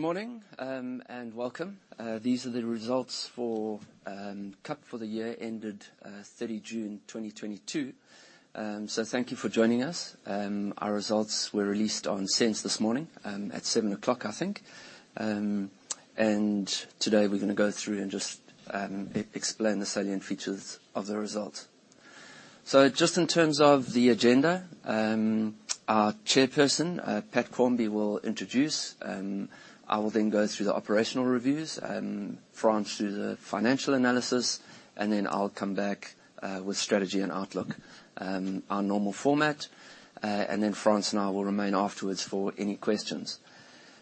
Good morning and welcome. These are the results for KAP for the year ended June 30, 2022. Thank you for joining us. Our results were released on SENS this morning at 7:00 A.M., I think. Today we're gonna go through and just explain the salient features of the results. Just in terms of the agenda, our Chairperson, Pat Quarmby, will introduce. I will then go through the operational reviews, Frans through the financial analysis, and then I'll come back with strategy and outlook. Our normal format. Frans and I will remain afterwards for any questions.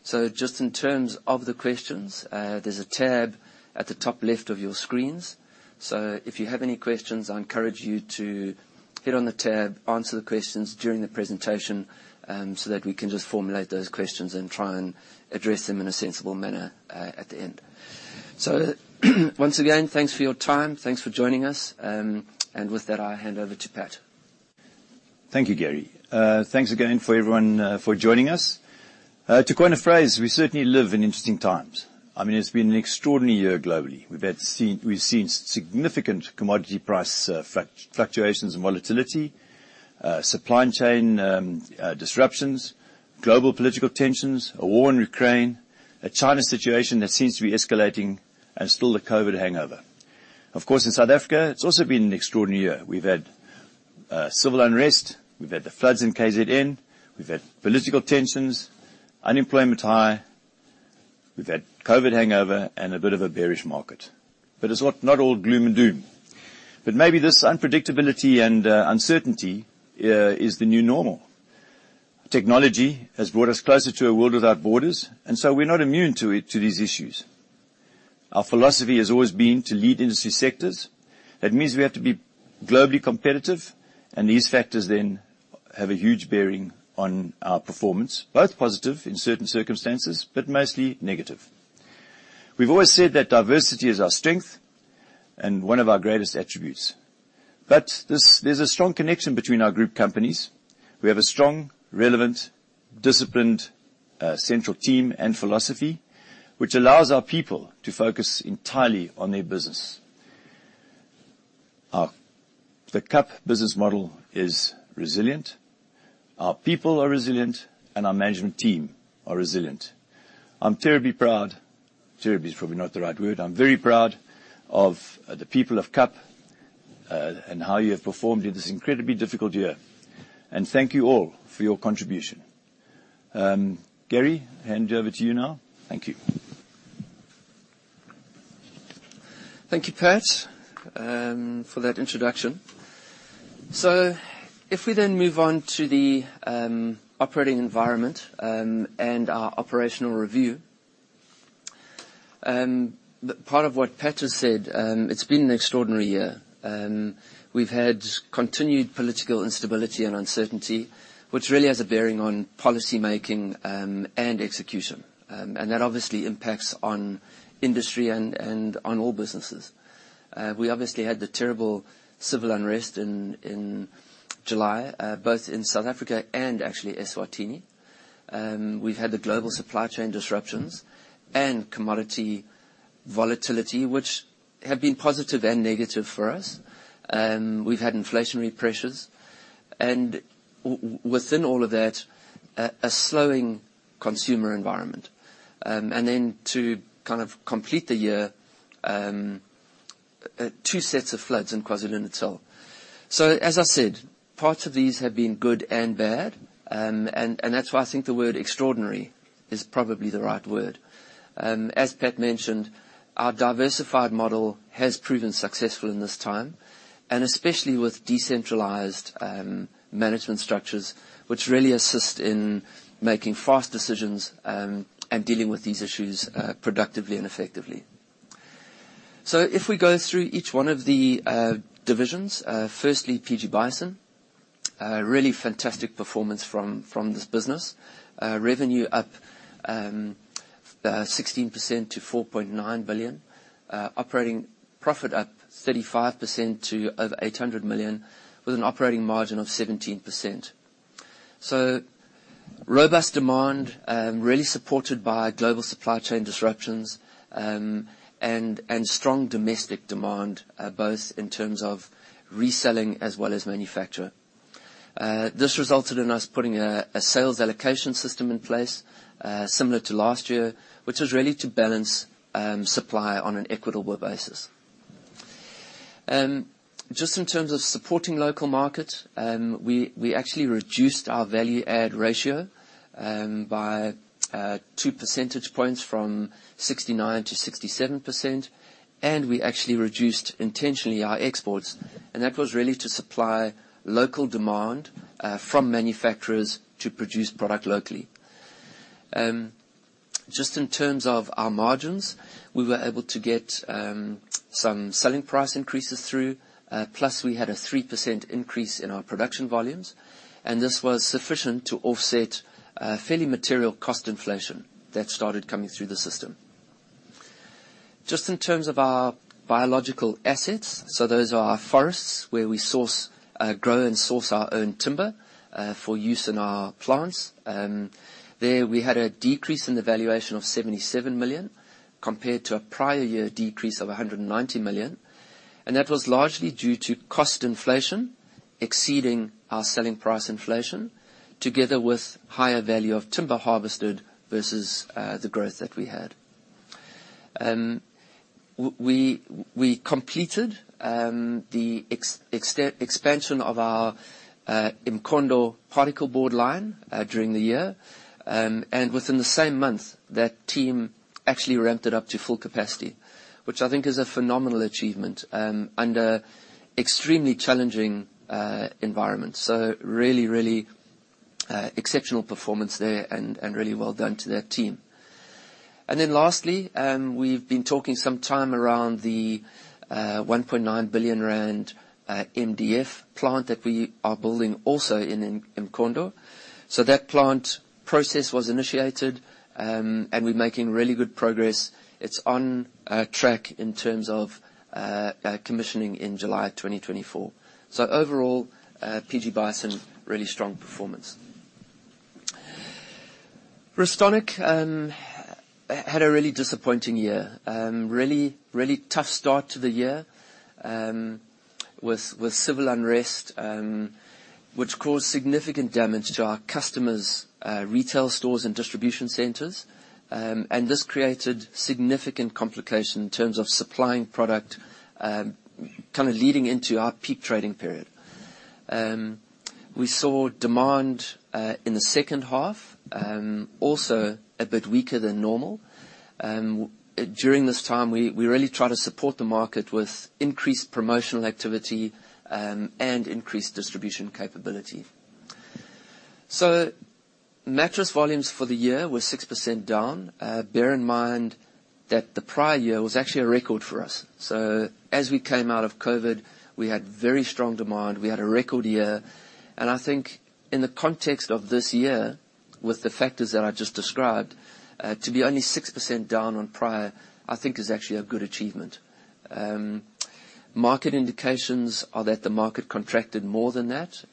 Just in terms of the questions, there's a tab at the top left of your screens, so if you have any questions, I encourage you to hit on the tab, answer the questions during the presentation, so that we can just formulate those questions and try and address them in a sensible manner at the end. Once again, thanks for your time. Thanks for joining us, and with that, I hand over to Pat. Thank you, Gary. Thanks again for everyone for joining us. To coin a phrase, we certainly live in interesting times. I mean, it's been an extraordinary year globally. We've seen significant commodity price fluctuations and volatility, supply chain disruptions, global political tensions, a war in Ukraine, a China situation that seems to be escalating and still the COVID hangover. Of course, in South Africa, it's also been an extraordinary year. We've had civil unrest, we've had the floods in KZN, we've had political tensions, high unemployment, we've had COVID hangover and a bit of a bearish market. It's not all gloom and doom. Maybe this unpredictability and uncertainty is the new normal. Technology has brought us closer to a world without borders, and so we're not immune to it, to these issues. Our philosophy has always been to lead industry sectors. That means we have to be globally competitive, and these factors then have a huge bearing on our performance, both positive in certain circumstances, but mostly negative. We've always said that diversity is our strength and one of our greatest attributes. This, there's a strong connection between our group companies. We have a strong, relevant, disciplined, central team and philosophy which allows our people to focus entirely on their business. The KAP business model is resilient, our people are resilient, and our management team are resilient. I'm very proud of the people of KAP, and how you have performed in this incredibly difficult year, and thank you all for your contribution. Gary, I hand you over to you now. Thank you. Thank you, Pat, for that introduction. If we then move on to the operating environment and our operational review, part of what Pat has said, it's been an extraordinary year. We've had continued political instability and uncertainty, which really has a bearing on policy making and execution. That obviously impacts on industry and on all businesses. We obviously had the terrible civil unrest in July, both in South Africa and actually Eswatini. We've had the global supply chain disruptions and commodity volatility which have been positive and negative for us. We've had inflationary pressures and within all of that, a slowing consumer environment. To kind of complete the year, two sets of floods in KwaZulu-Natal. As I said, parts of these have been good and bad, and that's why I think the word extraordinary is probably the right word. As Pat mentioned, our diversified model has proven successful in this time, and especially with decentralized management structures, which really assist in making fast decisions and dealing with these issues productively and effectively. If we go through each one of the divisions, firstly, PG Bison, a really fantastic performance from this business. Revenue up 16% to 4.9 billion. Operating profit up 35% to over 800 million with an operating margin of 17%. Robust demand really supported by global supply chain disruptions and strong domestic demand both in terms of reselling as well as manufacture. This resulted in us putting a sales allocation system in place, similar to last year, which was really to balance supply on an equitable basis. Just in terms of supporting local market, we actually reduced our value add ratio by two percentage points from 69% to 67%. We actually reduced intentionally our exports, and that was really to supply local demand from manufacturers to produce product locally. Just in terms of our margins, we were able to get some selling price increases through, plus we had a 3% increase in our production volumes, and this was sufficient to offset fairly material cost inflation that started coming through the system. Just in terms of our biological assets, so those are our forests where we source, grow and source our own timber for use in our plants. There we had a decrease in the valuation of 77 million compared to a prior year decrease of 190 million, and that was largely due to cost inflation exceeding our selling price inflation together with higher value of timber harvested versus the growth that we had. We completed the expansion of our Mkhondo particle board line during the year. Within the same month, that team actually ramped it up to full capacity, which I think is a phenomenal achievement under extremely challenging environments. Really exceptional performance there and really well done to that team. Lastly, we've been talking some time around the 1.9 billion rand MDF plant that we are building also in Mkhondo. That plant process was initiated and we're making really good progress. It's on track in terms of commissioning in July 2024. Overall, PG Bison really strong performance. Restonic had a really disappointing year. Really tough start to the year with civil unrest which caused significant damage to our customers' retail stores and distribution centers. This created significant complication in terms of supplying product, kinda leading into our peak trading period. We saw demand in the second half, also a bit weaker than normal. During this time we really try to support the market with increased promotional activity, and increased distribution capability. Mattress volumes for the year were 6% down. Bear in mind that the prior year was actually a record for us. As we came out of COVID, we had very strong demand. We had a record year, and I think in the context of this year with the factors that I just described, to be only 6% down on prior, I think is actually a good achievement. Market indications are that the market contracted more than that,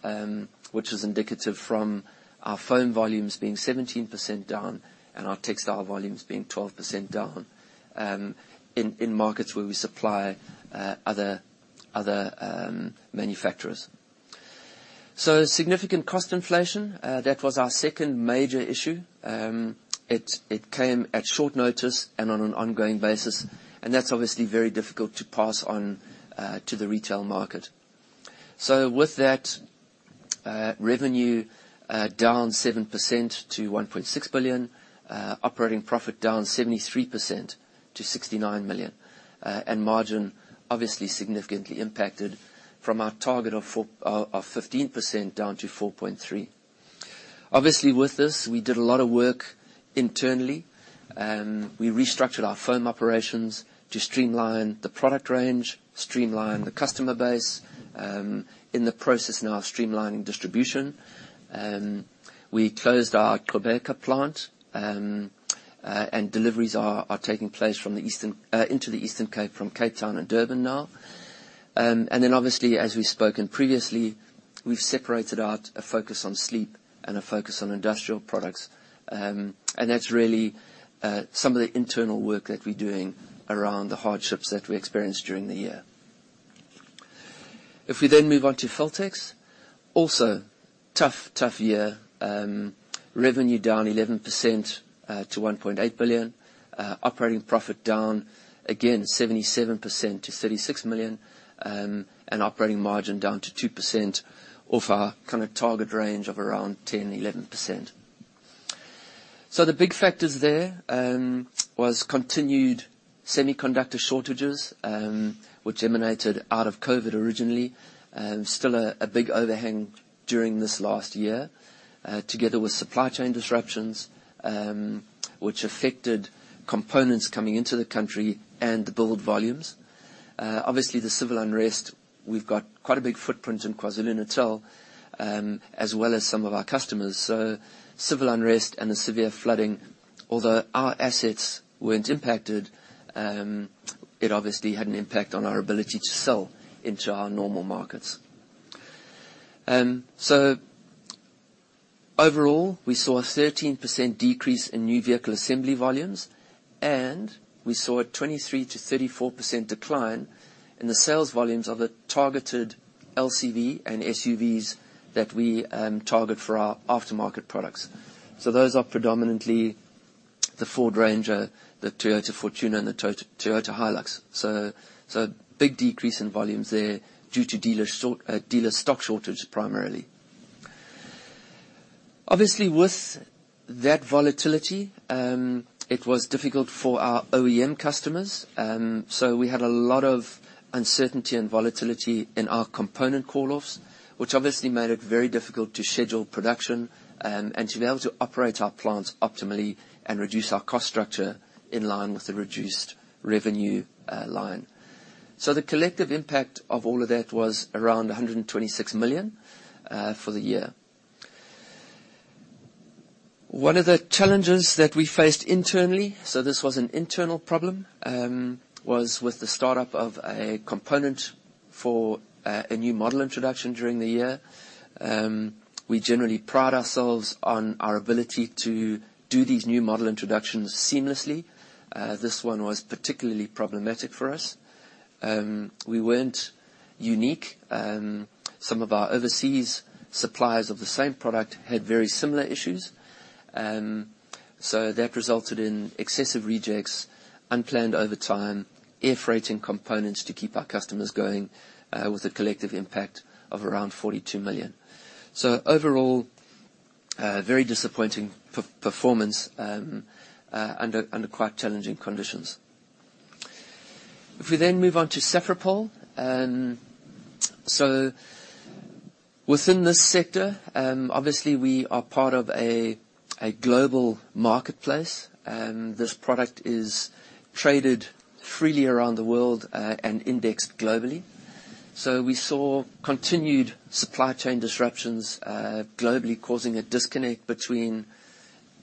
which is indicative from our foam volumes being 17% down and our textile volumes being 12% down in markets where we supply other manufacturers. Significant cost inflation that was our second major issue. It came at short notice and on an ongoing basis, and that's obviously very difficult to pass on to the retail market. With that, revenue down 7% to 1.6 billion. Operating profit down 73% to 69 million. Margin obviously significantly impacted from our target of 14%-15% down to 4.3%. Obviously, with this, we did a lot of work internally. We restructured our foam operations to streamline the product range, streamline the customer base, in the process now of streamlining distribution. We closed our Gqeberha plant, and deliveries are taking place from the eastern into the Eastern Cape from Cape Town and Durban now. Obviously, as we've spoken previously, we've separated out a focus on sleep and a focus on industrial products. That's really some of the internal work that we're doing around the hardships that we experienced during the year. If we then move on to Feltex, also tough year. Revenue down 11% to 1.8 billion. Operating profit down again 77% to 36 million. Operating margin down to 2% of our kinda target range of around 10%, 11%. The big factors there was continued semiconductor shortages, which emanated out of COVID originally. Still a big overhang during this last year, together with supply chain disruptions, which affected components coming into the country and the build volumes. Obviously, the civil unrest, we've got quite a big footprint in KwaZulu-Natal, as well as some of our customers. Civil unrest and the severe flooding, although our assets weren't impacted, it obviously had an impact on our ability to sell into our normal markets. Overall, we saw a 13% decrease in new vehicle assembly volumes, and we saw a 23%-34% decline in the sales volumes of the targeted LCV and SUVs that we target for our aftermarket products. Those are predominantly the Ford Ranger, the Toyota Fortuner, and the Toyota Hilux. Big decrease in volumes there due to dealer stock shortage primarily. Obviously, with that volatility, it was difficult for our OEM customers. We had a lot of uncertainty and volatility in our component call-offs, which obviously made it very difficult to schedule production, and to be able to operate our plants optimally and reduce our cost structure in line with the reduced revenue line. The collective impact of all of that was around 126 million for the year. One of the challenges that we faced internally, so this was an internal problem, was with the startup of a component for a new model introduction during the year. We generally pride ourselves on our ability to do these new model introductions seamlessly. This one was particularly problematic for us. We weren't unique. Some of our overseas suppliers of the same product had very similar issues. That resulted in excessive rejects, unplanned overtime, air freighting components to keep our customers going, with a collective impact of around 42 million. Overall, a very disappointing performance under quite challenging conditions. If we then move on to Safripol. Within this sector, obviously we are part of a global marketplace, and this product is traded freely around the world, and indexed globally. We saw continued supply chain disruptions globally, causing a disconnect between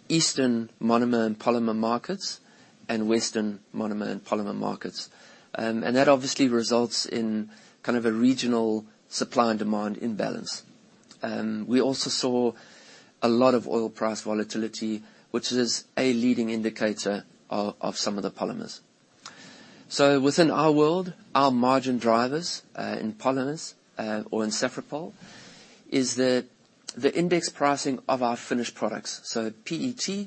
Eastern monomer and polymer markets and Western monomer and polymer markets. That obviously results in kind of a regional supply and demand imbalance. We also saw a lot of oil price volatility, which is a leading indicator of some of the polymers. Within our world, our margin drivers in polymers or in Safripol is the index pricing of our finished products, so PET,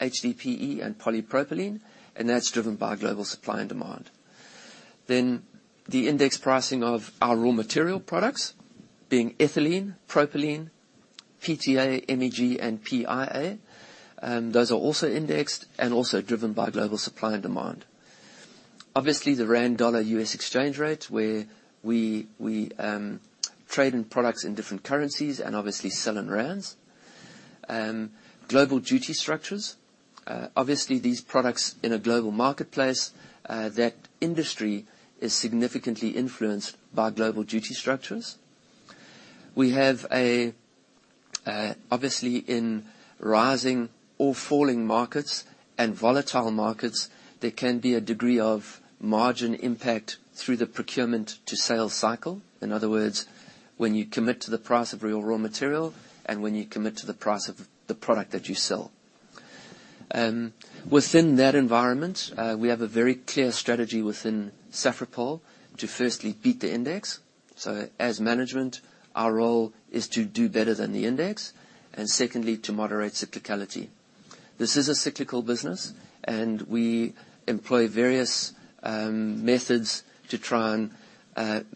HDPE, and polypropylene, and that's driven by global supply and demand. The index pricing of our raw material products, being ethylene, propylene, PTA, MEG, and PIA, those are also indexed and also driven by global supply and demand. Obviously, the rand dollar U.S. exchange rate, where we trade in products in different currencies and obviously sell in rands. Global duty structures. Obviously, these products in a global marketplace, that industry is significantly influenced by global duty structures. We have obviously in rising or falling markets and volatile markets, there can be a degree of margin impact through the procurement to sales cycle. In other words, when you commit to the price of real raw material and when you commit to the price of the product that you sell. Within that environment, we have a very clear strategy within Safripol to firstly beat the index. As management, our role is to do better than the index and secondly, to moderate cyclicality. This is a cyclical business, and we employ various methods to try and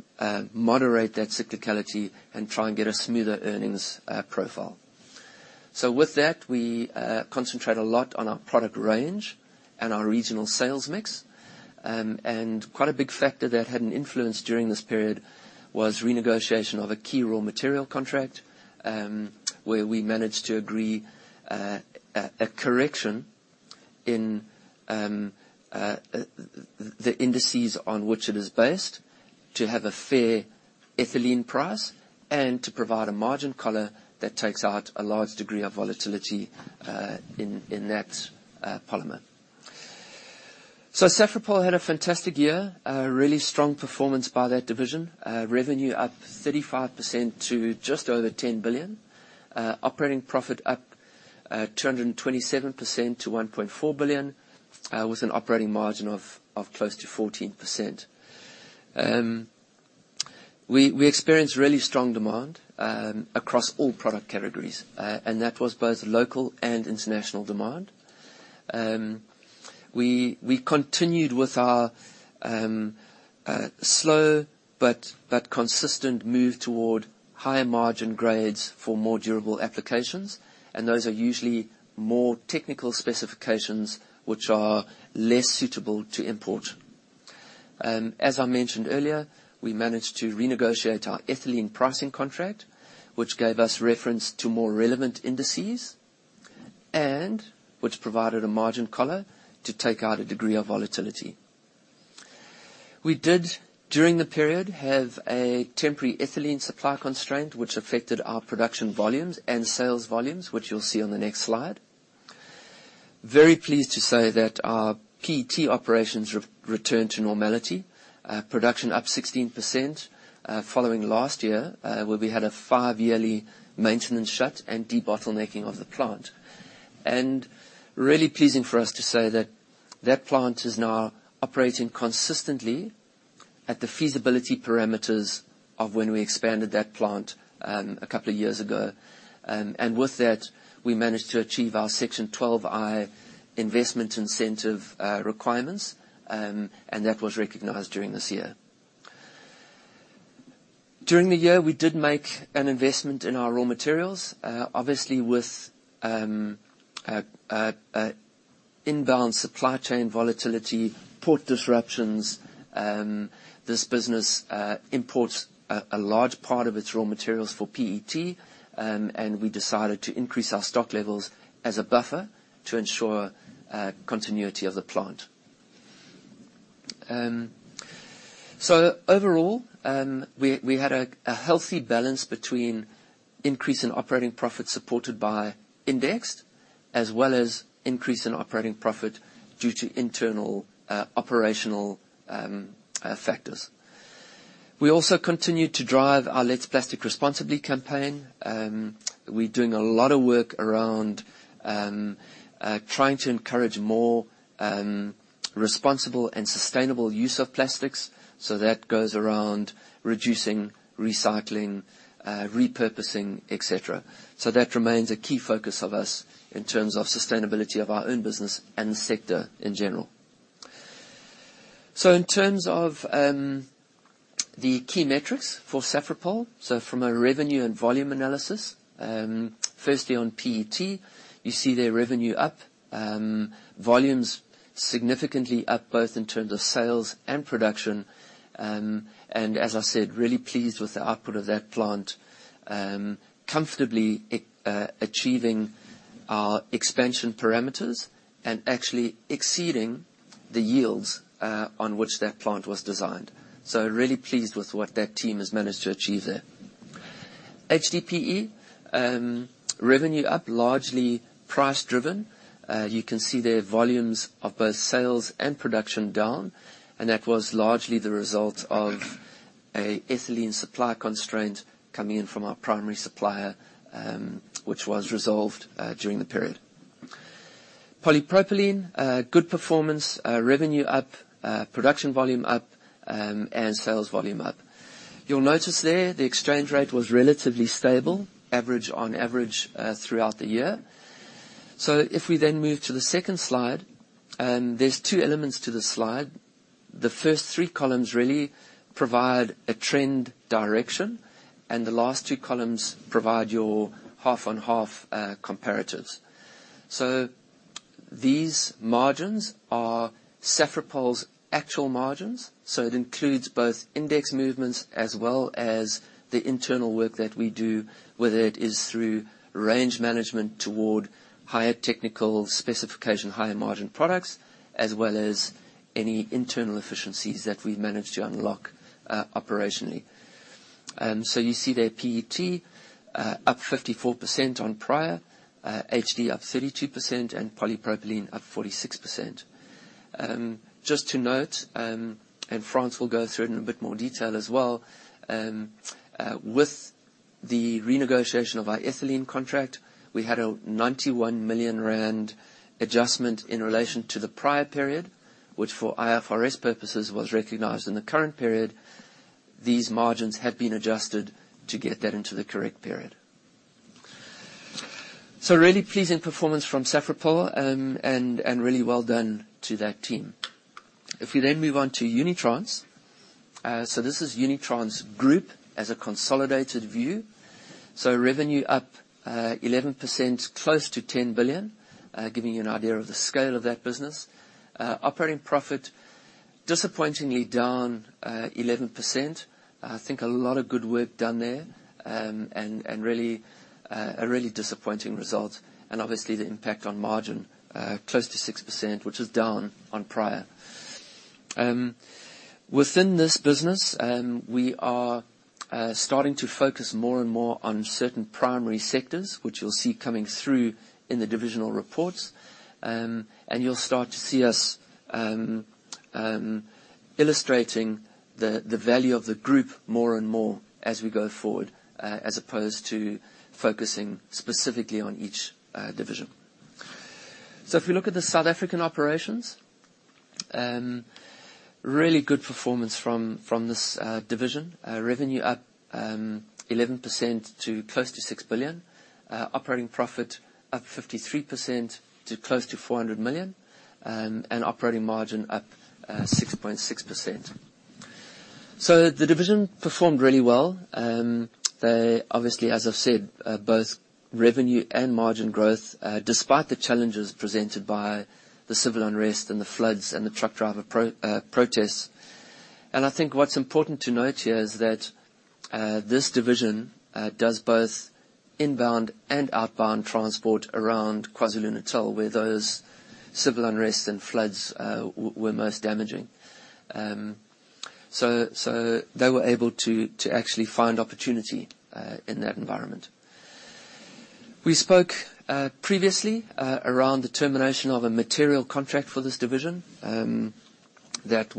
moderate that cyclicality and try and get a smoother earnings profile. With that, we concentrate a lot on our product range and our regional sales mix. Quite a big factor that had an influence during this period was renegotiation of a key raw material contract, where we managed to agree a correction in the indices on which it is based to have a fair ethylene price and to provide a margin collar that takes out a large degree of volatility in that polymer. Safripol had a fantastic year, really strong performance by that division. Revenue up 35% to just over 10 billion. Operating profit up 227% to 1.4 billion, with an operating margin of close to 14%. We experienced really strong demand across all product categories, and that was both local and international demand. We continued with our slow but consistent move toward higher margin grades for more durable applications, and those are usually more technical specifications which are less suitable to import. As I mentioned earlier, we managed to renegotiate our ethylene pricing contract, which gave us reference to more relevant indices and which provided a margin collar to take out a degree of volatility. We did, during the period, have a temporary ethylene supply constraint which affected our production volumes and sales volumes, which you'll see on the next slide. Very pleased to say that our PET operations returned to normality. Production up 16%, following last year, where we had a five-yearly maintenance shut and debottlenecking of the plant. Really pleasing for us to say that plant is now operating consistently at the feasibility parameters of when we expanded that plant, a couple of years ago. With that, we managed to achieve our Section 12I investment incentive requirements, and that was recognized during this year. During the year, we did make an investment in our raw materials, obviously with inbound supply chain volatility, port disruptions. This business imports a large part of its raw materials for PET, and we decided to increase our stock levels as a buffer to ensure continuity of the plant. Overall, we had a healthy balance between increase in operating profit supported by indexed, as well as increase in operating profit due to internal operational factors. We also continued to drive our Let's Plastic Responsibly campaign. We're doing a lot of work around, trying to encourage more, responsible and sustainable use of plastics. That goes around reducing, recycling, repurposing, et cetera. That remains a key focus of us in terms of sustainability of our own business and the sector in general. In terms of, the key metrics for Safripol, from a revenue and volume analysis, firstly on PET, you see their revenue up, volumes significantly up, both in terms of sales and production. As I said, really pleased with the output of that plant, comfortably achieving our expansion parameters and actually exceeding the yields, on which that plant was designed. Really pleased with what that team has managed to achieve there. HDPE, revenue up, largely price driven. You can see their volumes of both sales and production down, and that was largely the result of an ethylene supply constraint coming in from our primary supplier, which was resolved during the period. Polypropylene, good performance, revenue up, production volume up, and sales volume up. You'll notice there, the exchange rate was relatively stable, average on average, throughout the year. If we then move to the second slide, there's two elements to this slide. The first three columns really provide a trend direction, and the last two columns provide your half-on-half comparatives. These margins are Safripol's actual margins, so it includes both index movements as well as the internal work that we do, whether it is through range management toward higher technical specification, higher margin products, as well as any internal efficiencies that we've managed to unlock, operationally. You see there PET up 54% on prior, HDPE up 32%, and polypropylene up 46%. Just to note, and Frans will go through it in a bit more detail as well, with the renegotiation of our ethylene contract, we had a 91 million rand adjustment in relation to the prior period, which for IFRS purposes, was recognized in the current period. These margins have been adjusted to get that into the correct period. Really pleasing performance from Safripol, and really well done to that team. If we move on to Unitrans. This is Unitrans Group as a consolidated view. Revenue up 11% close to 10 billion, giving you an idea of the scale of that business. Operating profit disappointingly down 11%. I think a lot of good work done there. A really disappointing result and obviously the impact on margin close to 6%, which is down on prior. Within this business, we are starting to focus more and more on certain primary sectors, which you'll see coming through in the divisional reports. You'll start to see us illustrating the value of the group more and more as we go forward, as opposed to focusing specifically on each division. If you look at the South African operations, really good performance from this division. Revenue up 11% to close to 6 billion. Operating profit up 53% to close to 400 million, and operating margin up 6.6%. The division performed really well. They obviously, as I've said, both revenue and margin growth despite the challenges presented by the civil unrest and the floods and the truck driver protests. I think what's important to note here is that this division does both inbound and outbound transport around KwaZulu-Natal, where those civil unrest and floods were most damaging. They were able to actually find opportunity in that environment. We spoke previously around the termination of a material contract for this division that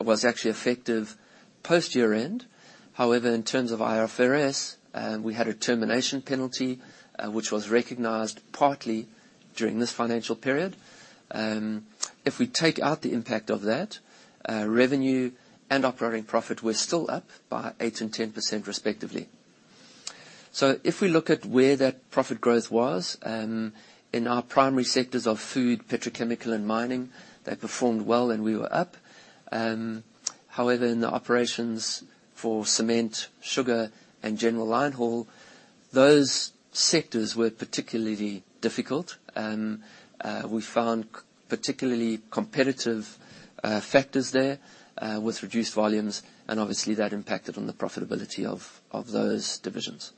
was actually effective post-year-end. However, in terms of IFRS, we had a termination penalty, which was recognized partly during this financial period. If we take out the impact of that, revenue and operating profit were still up by 8% and 10% respectively. If we look at where that profit growth was, in our primary sectors of food, petrochemical, and mining, they performed well, and we were up. However, in the operations for cement, sugar, and general line haul, those sectors were particularly difficult. We found particularly competitive factors there with reduced volumes, and obviously that impacted on the profitability of those divisions.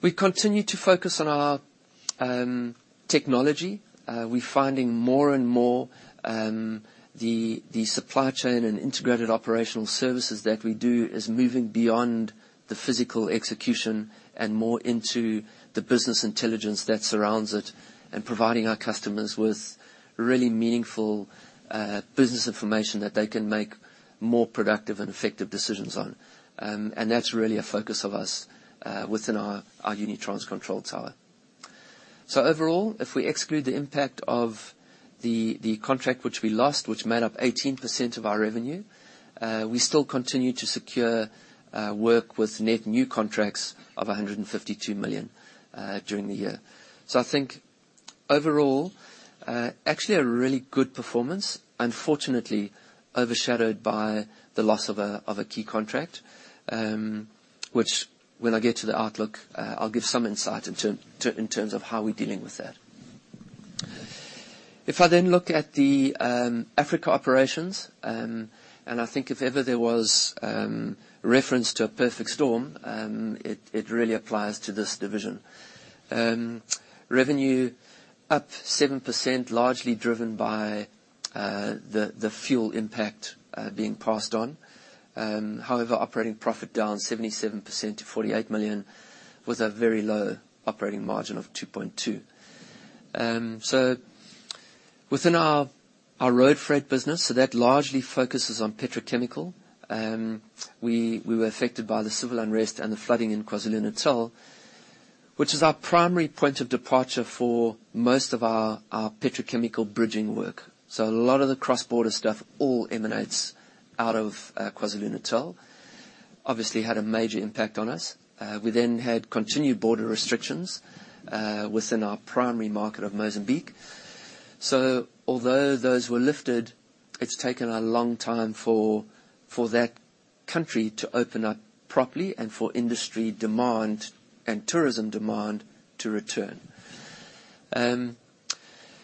We continue to focus on our technology. We're finding more and more, the supply chain and integrated operational services that we do is moving beyond the physical execution and more into the business intelligence that surrounds it, and providing our customers with really meaningful, business information that they can make more productive and effective decisions on. That's really a focus of us, within our Unitrans control tower. Overall, if we exclude the impact of the contract which we lost, which made up 18% of our revenue, we still continue to secure work with net new contracts of 152 million during the year. I think overall, actually a really good performance, unfortunately overshadowed by the loss of a key contract, which when I get to the outlook, I'll give some insight in terms of how we're dealing with that. If I then look at the Africa operations, and I think if ever there was reference to a perfect storm, it really applies to this division. Revenue up 7%, largely driven by the fuel impact being passed on. However, operating profit down 77% to 48 million, was a very low operating margin of 2.2%. So within our road freight business, that largely focuses on petrochemical. We were affected by the civil unrest and the flooding in KwaZulu-Natal, which is our primary point of departure for most of our petrochemical bridging work. A lot of the cross-border stuff all emanates out of KwaZulu-Natal. Obviously had a major impact on us. We had continued border restrictions within our primary market of Mozambique. Although those were lifted, it's taken a long time for that country to open up properly and for industry demand and tourism demand to return.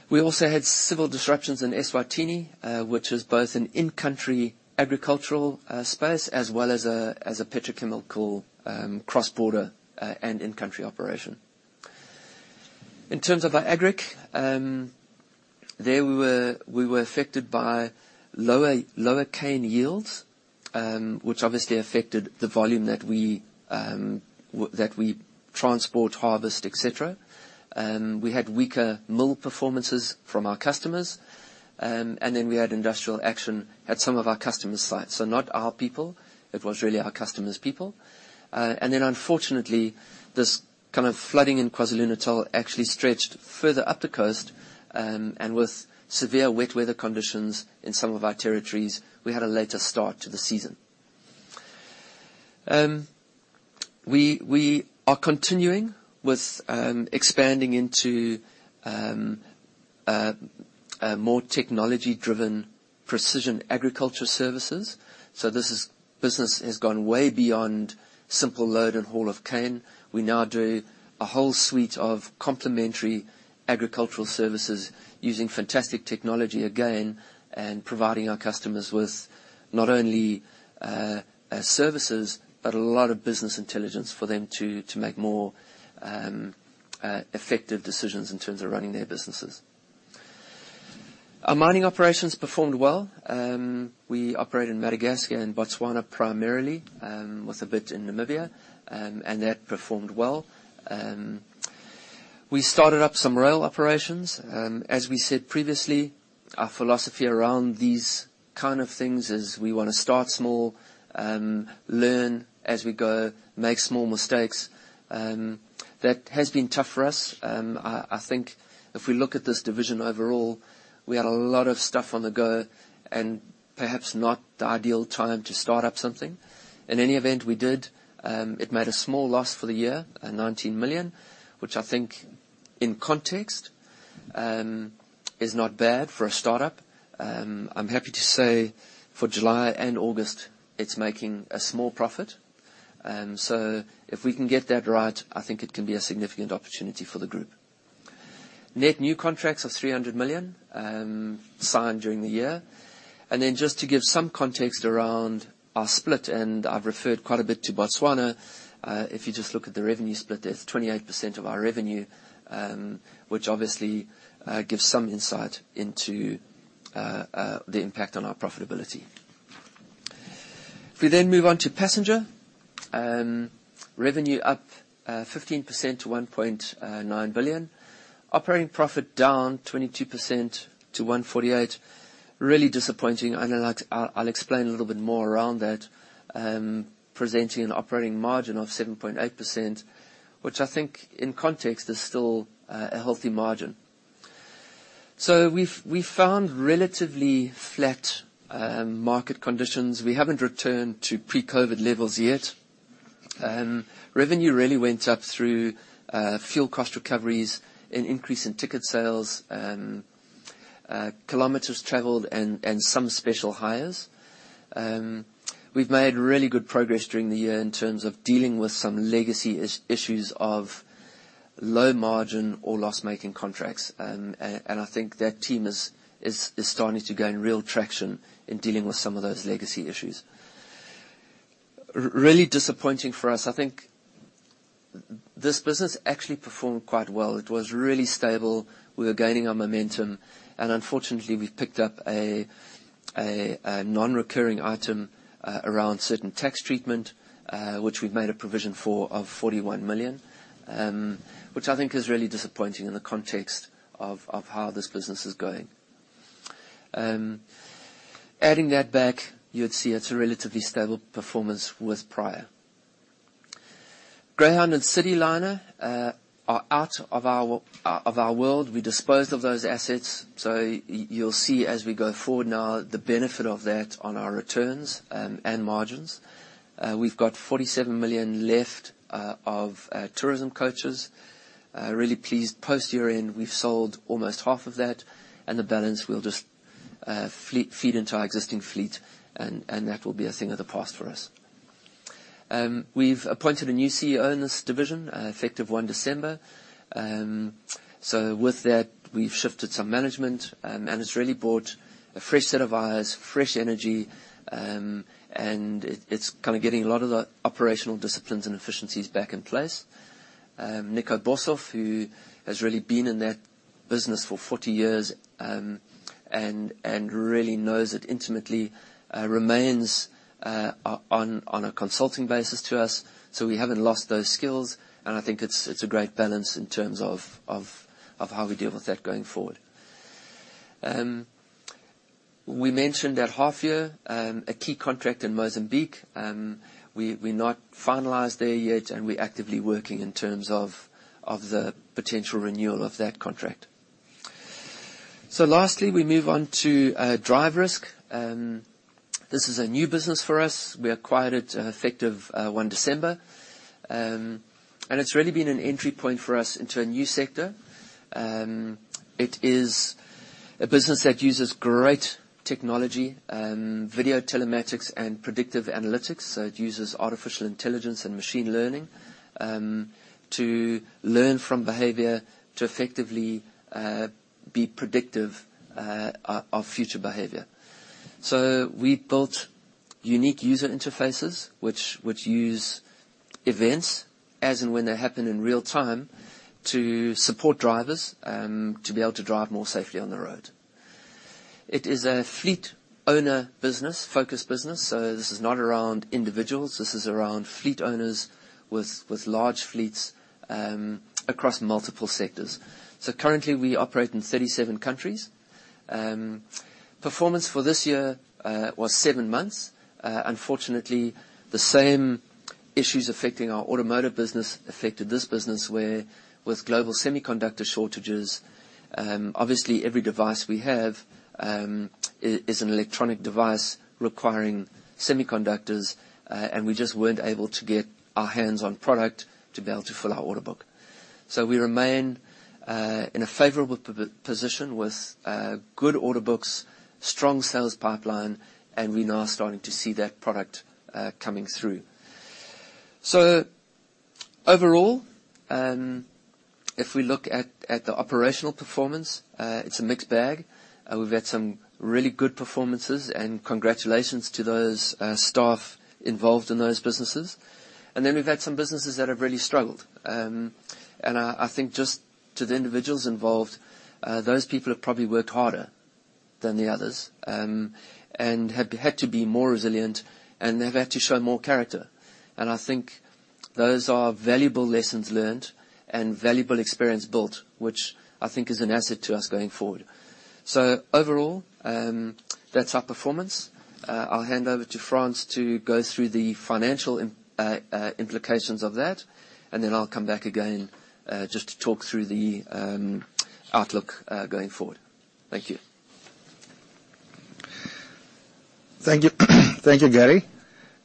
We also had civil disruptions in Eswatini, which is both an in-country agricultural space as well as a petrochemical cross-border and in-country operation. In terms of our agric, we were affected by lower cane yields, which obviously affected the volume that we transport, harvest, et cetera. We had weaker mill performances from our customers. We had industrial action at some of our customers' sites. Not our people, it was really our customers' people. Unfortunately, this kind of flooding in KwaZulu-Natal actually stretched further up the coast. With severe wet weather conditions in some of our territories, we had a later start to the season. We are continuing with expanding into a more technology-driven precision agriculture services. This business has gone way beyond simple load and haul of cane. We now do a whole suite of complementary agricultural services using fantastic technology again, and providing our customers with not only services, but a lot of business intelligence for them to make more effective decisions in terms of running their businesses. Our mining operations performed well. We operate in Madagascar and Botswana primarily, with a bit in Namibia, and that performed well. We started up some rail operations. As we said previously, our philosophy around these kind of things is we wanna start small, learn as we go, make small mistakes. That has been tough for us. I think if we look at this division overall, we had a lot of stuff on the go and perhaps not the ideal time to start up something. In any event we did, it made a small loss for the year, 19 million, which I think in context is not bad for a startup. I'm happy to say for July and August, it's making a small profit. If we can get that right, I think it can be a significant opportunity for the group. Net new contracts of 300 million signed during the year. Just to give some context around our split, and I've referred quite a bit to Botswana, if you just look at the revenue split there, it's 28% of our revenue, which obviously the impact on our profitability. If we move on to passenger, revenue up 15% to 1.9 billion. Operating profit down 22% to 148 million. Really disappointing. I know that. I'll explain a little bit more around that. Presenting an operating margin of 7.8%, which I think in context is still a healthy margin. We found relatively flat market conditions. We haven't returned to pre-COVID levels yet. Revenue really went up through fuel cost recoveries, an increase in ticket sales, kilometers traveled and some special hires. We've made really good progress during the year in terms of dealing with some legacy issues of low margin or loss-making contracts. I think that team is starting to gain real traction in dealing with some of those legacy issues. Really disappointing for us, I think this business actually performed quite well. It was really stable. We were gaining our momentum, and unfortunately, we picked up a non-recurring item around certain tax treatment, which we've made a provision for of 41 million, which I think is really disappointing in the context of how this business is going. Adding that back, you'd see it's a relatively stable performance with prior. Greyhound and Citiliner are out of our world. We disposed of those assets, so you'll see as we go forward now the benefit of that on our returns and margins. We've got 47 million left of tourism coaches. Really pleased post year-end, we've sold almost half of that, and the balance will just feed into our existing fleet, and that will be a thing of the past for us. We've appointed a new CEO in this division, effective 1 December. With that, we've shifted some management. It's really brought a fresh set of eyes, fresh energy, and it's kinda getting a lot of the operational disciplines and efficiencies back in place. Nico Boshoff, who has really been in that business for 40 years, and really knows it intimately, remains on a consulting basis to us, so we haven't lost those skills, and I think it's a great balance in terms of how we deal with that going forward. We mentioned at half year a key contract in Mozambique, we're not finalized there yet, and we're actively working in terms of the potential renewal of that contract. Lastly, we move on to DriveRisk. This is a new business for us. We acquired it, effective December 1. It's really been an entry point for us into a new sector. It is a business that uses great technology, video telematics and predictive analytics, so it uses artificial intelligence and machine learning, to learn from behavior to effectively be predictive of future behavior. We built unique user interfaces which use events as and when they happen in real time to support drivers to be able to drive more safely on the road. It is a fleet owner business, focus business, so this is not around individuals. This is around fleet owners with large fleets across multiple sectors. Currently, we operate in 37 countries. Performance for this year was seven months. Unfortunately, the same issues affecting our automotive business affected this business with global semiconductor shortages, obviously every device we have is an electronic device requiring semiconductors, and we just weren't able to get our hands on product to be able to fill our order book. We remain in a favorable position with good order books, strong sales pipeline, and we're now starting to see that product coming through. Overall, if we look at the operational performance, it's a mixed bag. We've had some really good performances, and congratulations to those staff involved in those businesses. We've had some businesses that have really struggled. I think just to the individuals involved, those people have probably worked harder than the others, and have had to be more resilient, and they've had to show more character. I think those are valuable lessons learned and valuable experience built, which I think is an asset to us going forward. Overall, that's our performance. I'll hand over to Frans to go through the financial implications of that, and then I'll come back again just to talk through the outlook going forward. Thank you. Thank you. Thank you, Gary.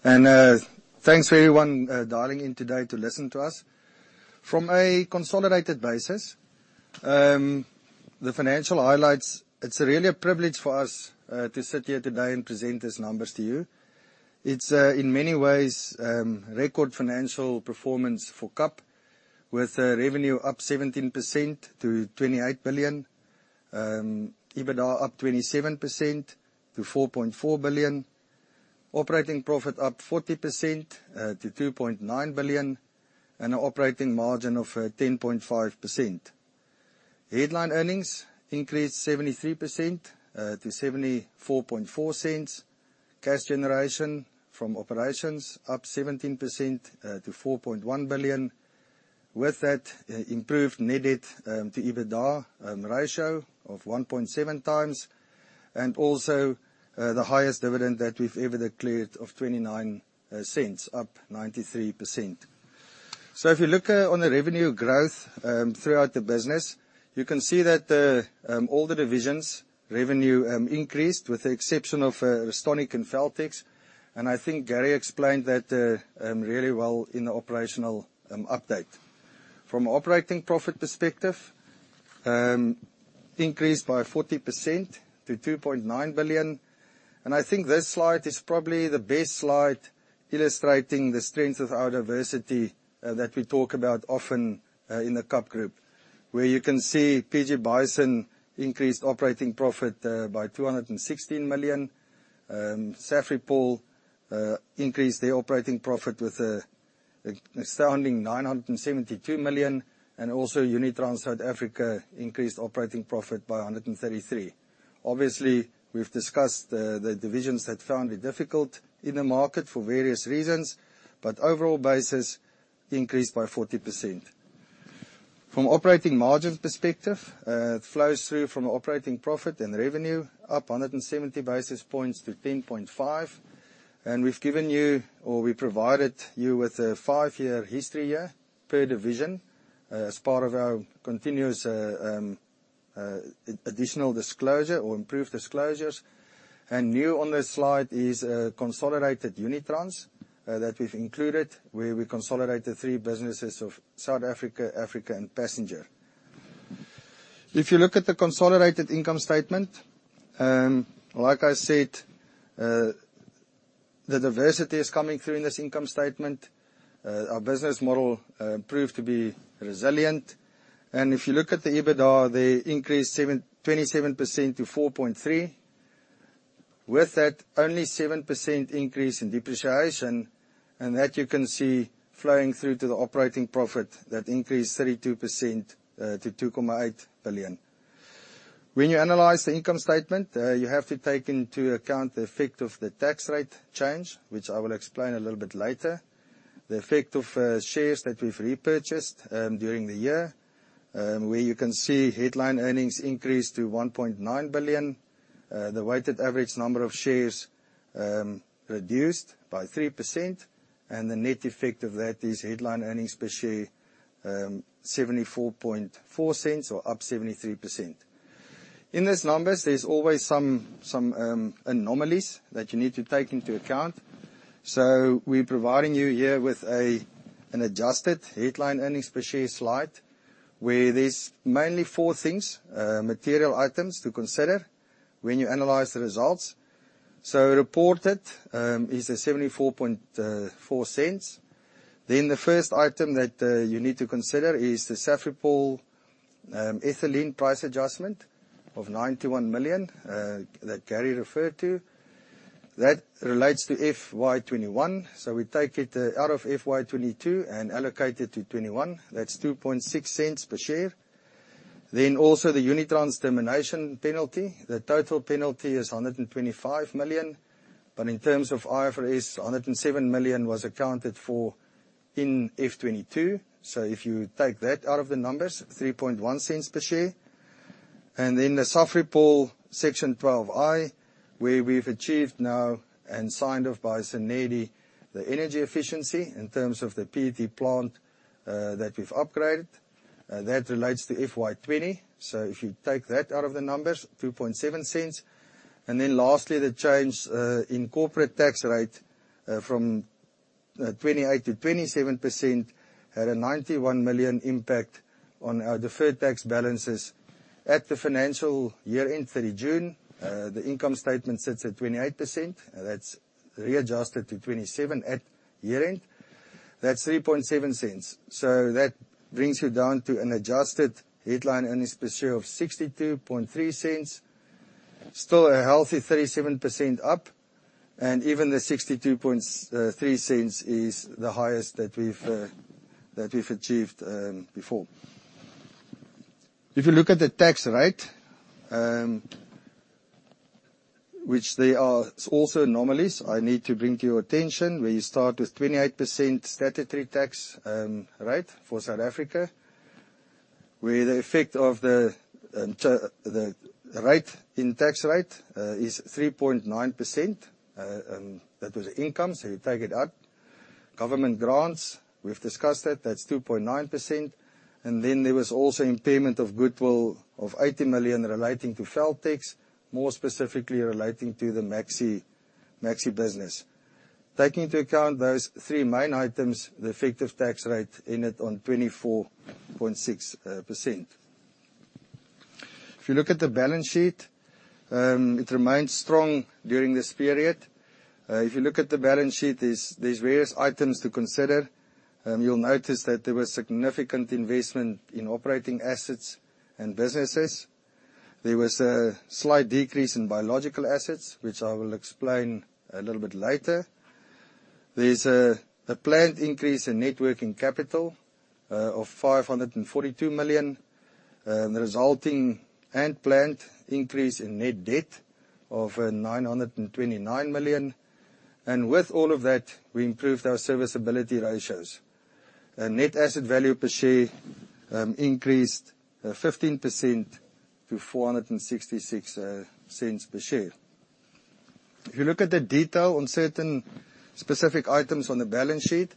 Thanks for everyone dialing in today to listen to us. From a consolidated basis, the financial highlights, it's really a privilege for us to sit here today and present these numbers to you. It's in many ways record financial performance for KAP with revenue up 17% to 28 billion. EBITDA up 27% to 4.4 billion. Operating profit up 40% to 2.9 billion, and an operating margin of 10.5%. Headline earnings increased 73% to 0.744. Cash generation from operations up 17% to 4.1 billion. With that, improved net debt to EBITDA ratio of 1.7x, and also the highest dividend that we've ever declared of 0.29 up 93%. If you look on the revenue growth throughout the business, you can see that all the divisions' revenue increased with the exception of Restonic and Feltex. I think Gary explained that really well in the operational update. From operating profit perspective, increased by 40% to 2.9 billion. I think this slide is probably the best slide illustrating the strength of our diversity that we talk about often in the KAP group. You can see PG Bison increased operating profit by 216 million. Safripol increased their operating profit with an astounding 972 million, and also Unitrans South Africa increased operating profit by 133 million. Obviously, we've discussed the divisions that found it difficult in the market for various reasons, but overall basis increased by 40%. From operating margin perspective, it flows through from operating profit and revenue up 170 basis points to 10.5%. We've given you or we provided you with a five-year history here per division, as part of our continuous, additional disclosure or improved disclosures. New on this slide is consolidated Unitrans that we've included, where we consolidated three businesses of South Africa, and Passenger. If you look at the consolidated income statement, like I said, the diversity is coming through in this income statement. Our business model proved to be resilient. If you look at the EBITDA, they increased 27% to 4.3 billion. With that, only 7% increase in depreciation, and that you can see flowing through to the operating profit that increased 32% to 2.8 billion. When you analyze the income statement, you have to take into account the effect of the tax rate change, which I will explain a little bit later. The effect of shares that we've repurchased during the year, where you can see headline earnings increase to 1.9 billion. The weighted average number of shares reduced by 3%, and the net effect of that is headline earnings per share 0.744 or up 73%. In these numbers, there's always some anomalies that you need to take into account. We're providing you here with an adjusted headline earnings per share slide where there's mainly four material items to consider when you analyze the results. Reported is 0.744. The first item that you need to consider is the Safripol ethylene price adjustment of 91 million that Gary referred to. That relates to FY 2021, so we take it out of FY 2022 and allocate it to 2021. That's 0.026 per share. Also the Unitrans termination penalty. The total penalty is 125 million. In terms of IFRS, 107 million was accounted for in FY 2022. If you take that out of the numbers, 0.031 per share. The Safripol Section 12I, where we've achieved now and signed off by SANEDI, the energy efficiency in terms of the PET plant, that we've upgraded, that relates to FY 2020. If you take that out of the numbers, 0.027. Then lastly, the change in corporate tax rate from 28% to 27% at a 91 million impact on our deferred tax balances. At the financial year-end, 30 June, the income statement sits at 28%. That's readjusted to 27% at year-end. That's ZAR 0.037. That brings you down to an adjusted headline earnings per share of 0.623. Still a healthy 37% up, and even the 0.623 cents is the highest that we've achieved before. If you look at the tax rate, which there are also anomalies I need to bring to your attention, where you start with 28% statutory tax rate for South Africa, where the effect of the effective tax rate is 3.9%. That was income, so you take it up. Government grants, we've discussed that's 2.9%. Then there was also impairment of goodwill of 80 million relating to Feltex, more specifically relating to the Maxe business. Taking into account those three main items, the effective tax rate ended on 24.6%. If you look at the balance sheet, it remains strong during this period. If you look at the balance sheet, there's various items to consider. You'll notice that there was significant investment in operating assets and businesses. There was a slight decrease in biological assets, which I will explain a little bit later. There's a planned increase in net working capital of 542 million, resulting in a planned increase in net debt of 929 million. With all of that, we improved our serviceability ratios. Net asset value per share increased 15% to 4.66 per share. If you look at the detail on certain specific items on the balance sheet,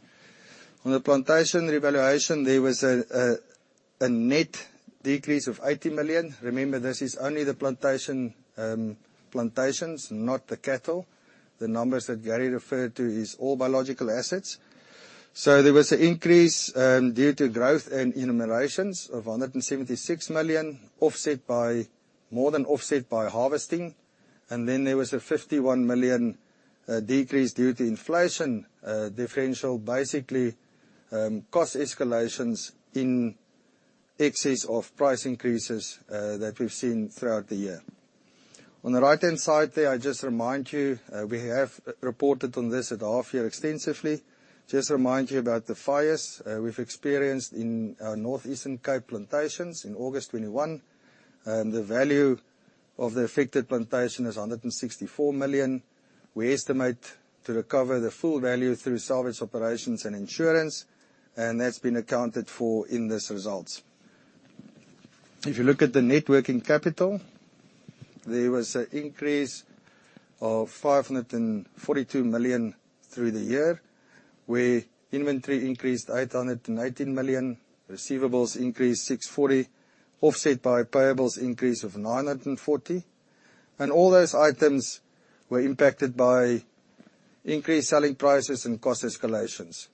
on the plantation revaluation, there was a net decrease of 80 million. Remember, this is only the plantations, not the cattle. The numbers that Gary referred to is all biological assets. There was an increase due to growth and enumerations of 176 million, offset by more than offset by harvesting. Then there was a 51 million decrease due to inflation differential, basically, cost escalations in excess of price increases that we've seen throughout the year. On the right-hand side there, I just remind you, we have reported on this at half year extensively. Just remind you about the fires we've experienced in our northeastern Cape plantations in August 2021. The value of the affected plantation is 164 million. We estimate to recover the full value through salvage operations and insurance, and that's been accounted for in these results. If you look at the net working capital, there was an increase of 542 million through the year, where inventory increased 818 million, receivables increased 640 million, offset by payables increase of 940 million. All those items were impacted by increased selling prices and cost escalations.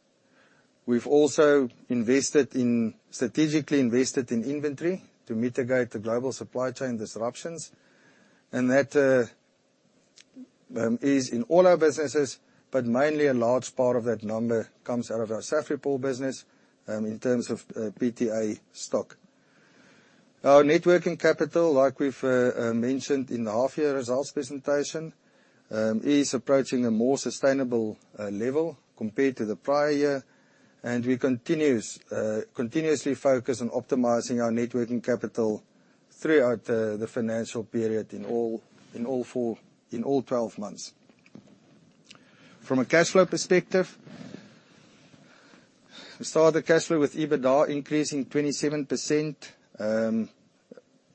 We've also strategically invested in inventory to mitigate the global supply chain disruptions. That is in all our businesses, but mainly a large part of that number comes out of our Safripol business, in terms of PTA stock. Our net working capital, like we've mentioned in the half year results presentation, is approaching a more sustainable level compared to the prior year. We continues continuously focus on optimizing our net working capital throughout the financial period in all four. In all 12 months. From a cash flow perspective, we saw the cash flow with EBITDA increasing 27%.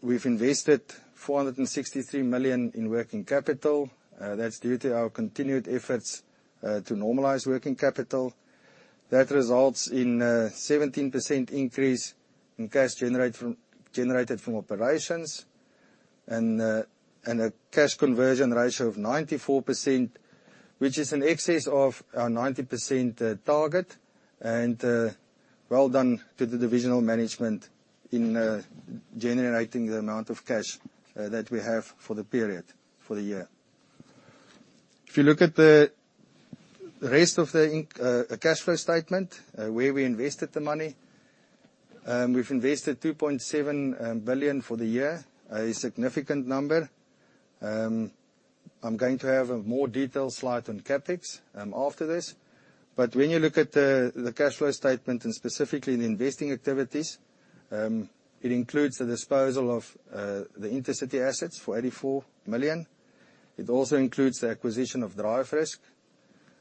We've invested 463 million in working capital. That's due to our continued efforts to normalize working capital. That results in a 17% increase in cash generated from operations and a cash conversion ratio of 94%, which is in excess of our 90% target. Well done to the divisional management in generating the amount of cash that we have for the period, for the year. If you look at the rest of the cash flow statement, where we invested the money, we've invested 2.7 billion for the year, a significant number. I'm going to have a more detailed slide on CapEx after this. When you look at the cash flow statement and specifically the investing activities, it includes the disposal of the Intercity assets for 84 million. It also includes the acquisition of DriveRisk.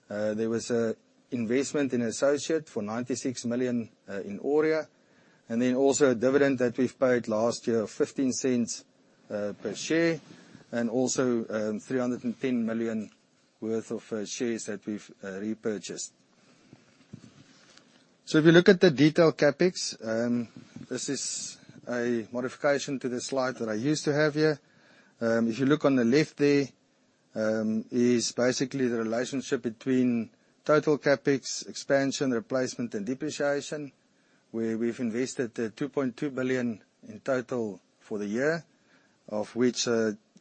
There was an investment in associate for 96 million in Oreo. A dividend that we've paid last year of 0.15 per share, and also 310 million worth of shares that we've repurchased. If you look at the detailed CapEx, this is a modification to the slide that I used to have here. If you look on the left there, is basically the relationship between total CapEx, expansion, replacement, and depreciation. Where we've invested 2.2 billion in total for the year, of which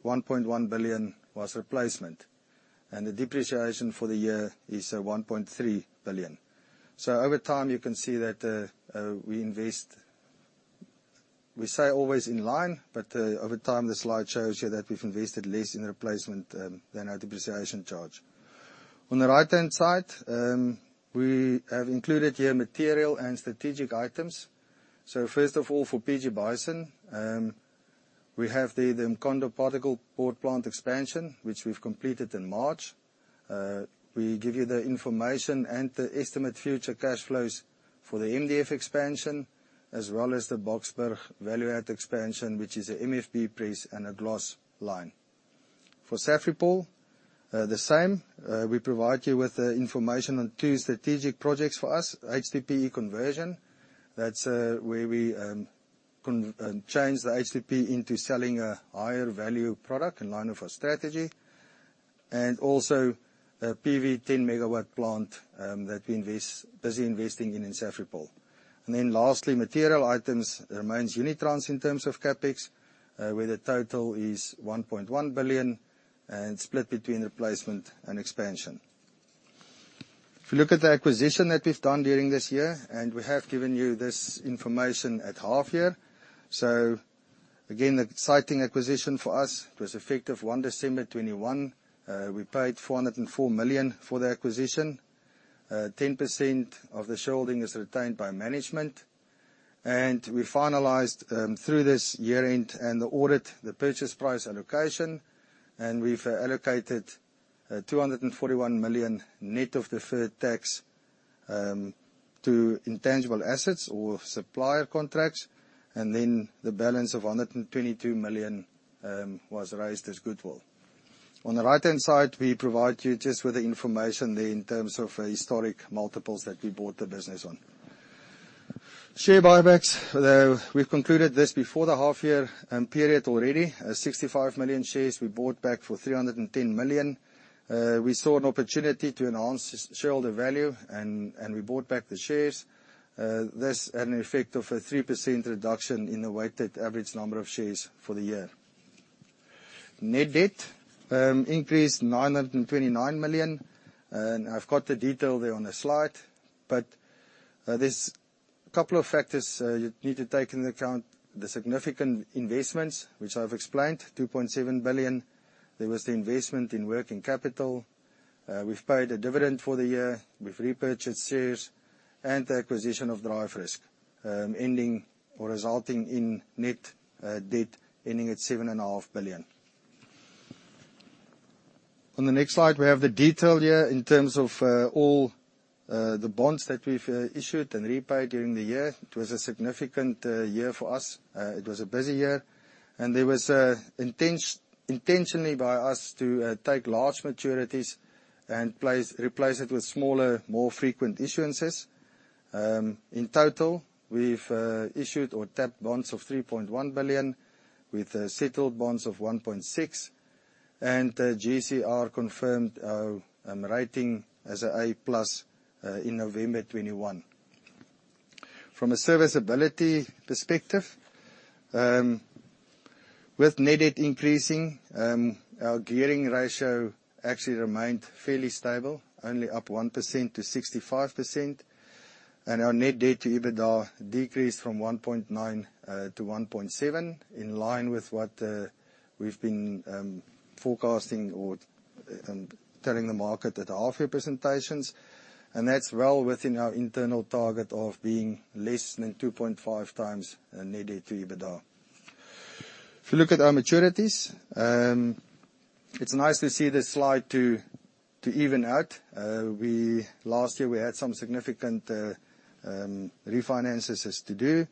1.1 billion was replacement. The depreciation for the year is 1.3 billion. Over time, you can see that we stay always in line, but over time, the slide shows you that we've invested less in replacement than our depreciation charge. On the right-hand side, we have included here material and strategic items. First of all, for PG Bison, we have the Mkhondo board plant expansion, which we've completed in March. We give you the information and the estimated future cash flows for the MDF expansion, as well as the Boksburg value-add expansion, which is a MFB press and a gloss line. For Safripol, the same. We provide you with the information on two strategic projects for us. HDPE conversion, that's where we change the HDPE into selling a higher value product in line with our strategy. Also a PV 10 MW plant that we are busy investing in Safripol. Lastly, material items remains Unitrans in terms of CapEx, where the total is 1.1 billion and split between replacement and expansion. If you look at the acquisition that we've done during this year, and we have given you this information at half year. Again, an exciting acquisition for us. It was effective 1 December 2021. We paid 404 million for the acquisition. 10% of the shareholding is retained by management. We finalized through this year-end and audit the purchase price allocation, and we've allocated 241 million net of the fair tax to intangible assets or supplier contracts. Then the balance of 122 million was raised as goodwill. On the right-hand side, we provide you just with the information there in terms of historic multiples that we bought the business on. Share buybacks. We've concluded this before the half year period already. 65 million shares we bought back for 310 million. We saw an opportunity to enhance shareholder value and we bought back the shares. This had an effect of a 3% reduction in the weighted average number of shares for the year. Net debt increased 929 million. I've got the detail there on the slide. There's a couple of factors you need to take into account. The significant investments, which I've explained, 2.7 billion. There was the investment in working capital. We've paid a dividend for the year. We've repurchased shares and the acquisition of DriveRisk, ending or resulting in net debt ending at 7.5 billion. On the next slide, we have the detail here in terms of all the bonds that we've issued and repaid during the year. It was a significant year for us. It was a busy year, and there was intentionally by us to take large maturities and replace it with smaller, more frequent issuances. In total, we've issued or tapped bonds of 3.1 billion, with settled bonds of 1.6 billion. GCR confirmed our rating as A+ in November 2021. From a serviceability perspective, with net debt increasing, our gearing ratio actually remained fairly stable, only up 1% to 65%. Our net debt to EBITDA decreased from 1.9x to 1.7x, in line with what we've been forecasting or telling the market at our half year presentations. That's well within our internal target of being less than 2.5x net debt to EBITDA. If you look at our maturities, it's nice to see this slide to even out. Last year we had some significant refinances to do.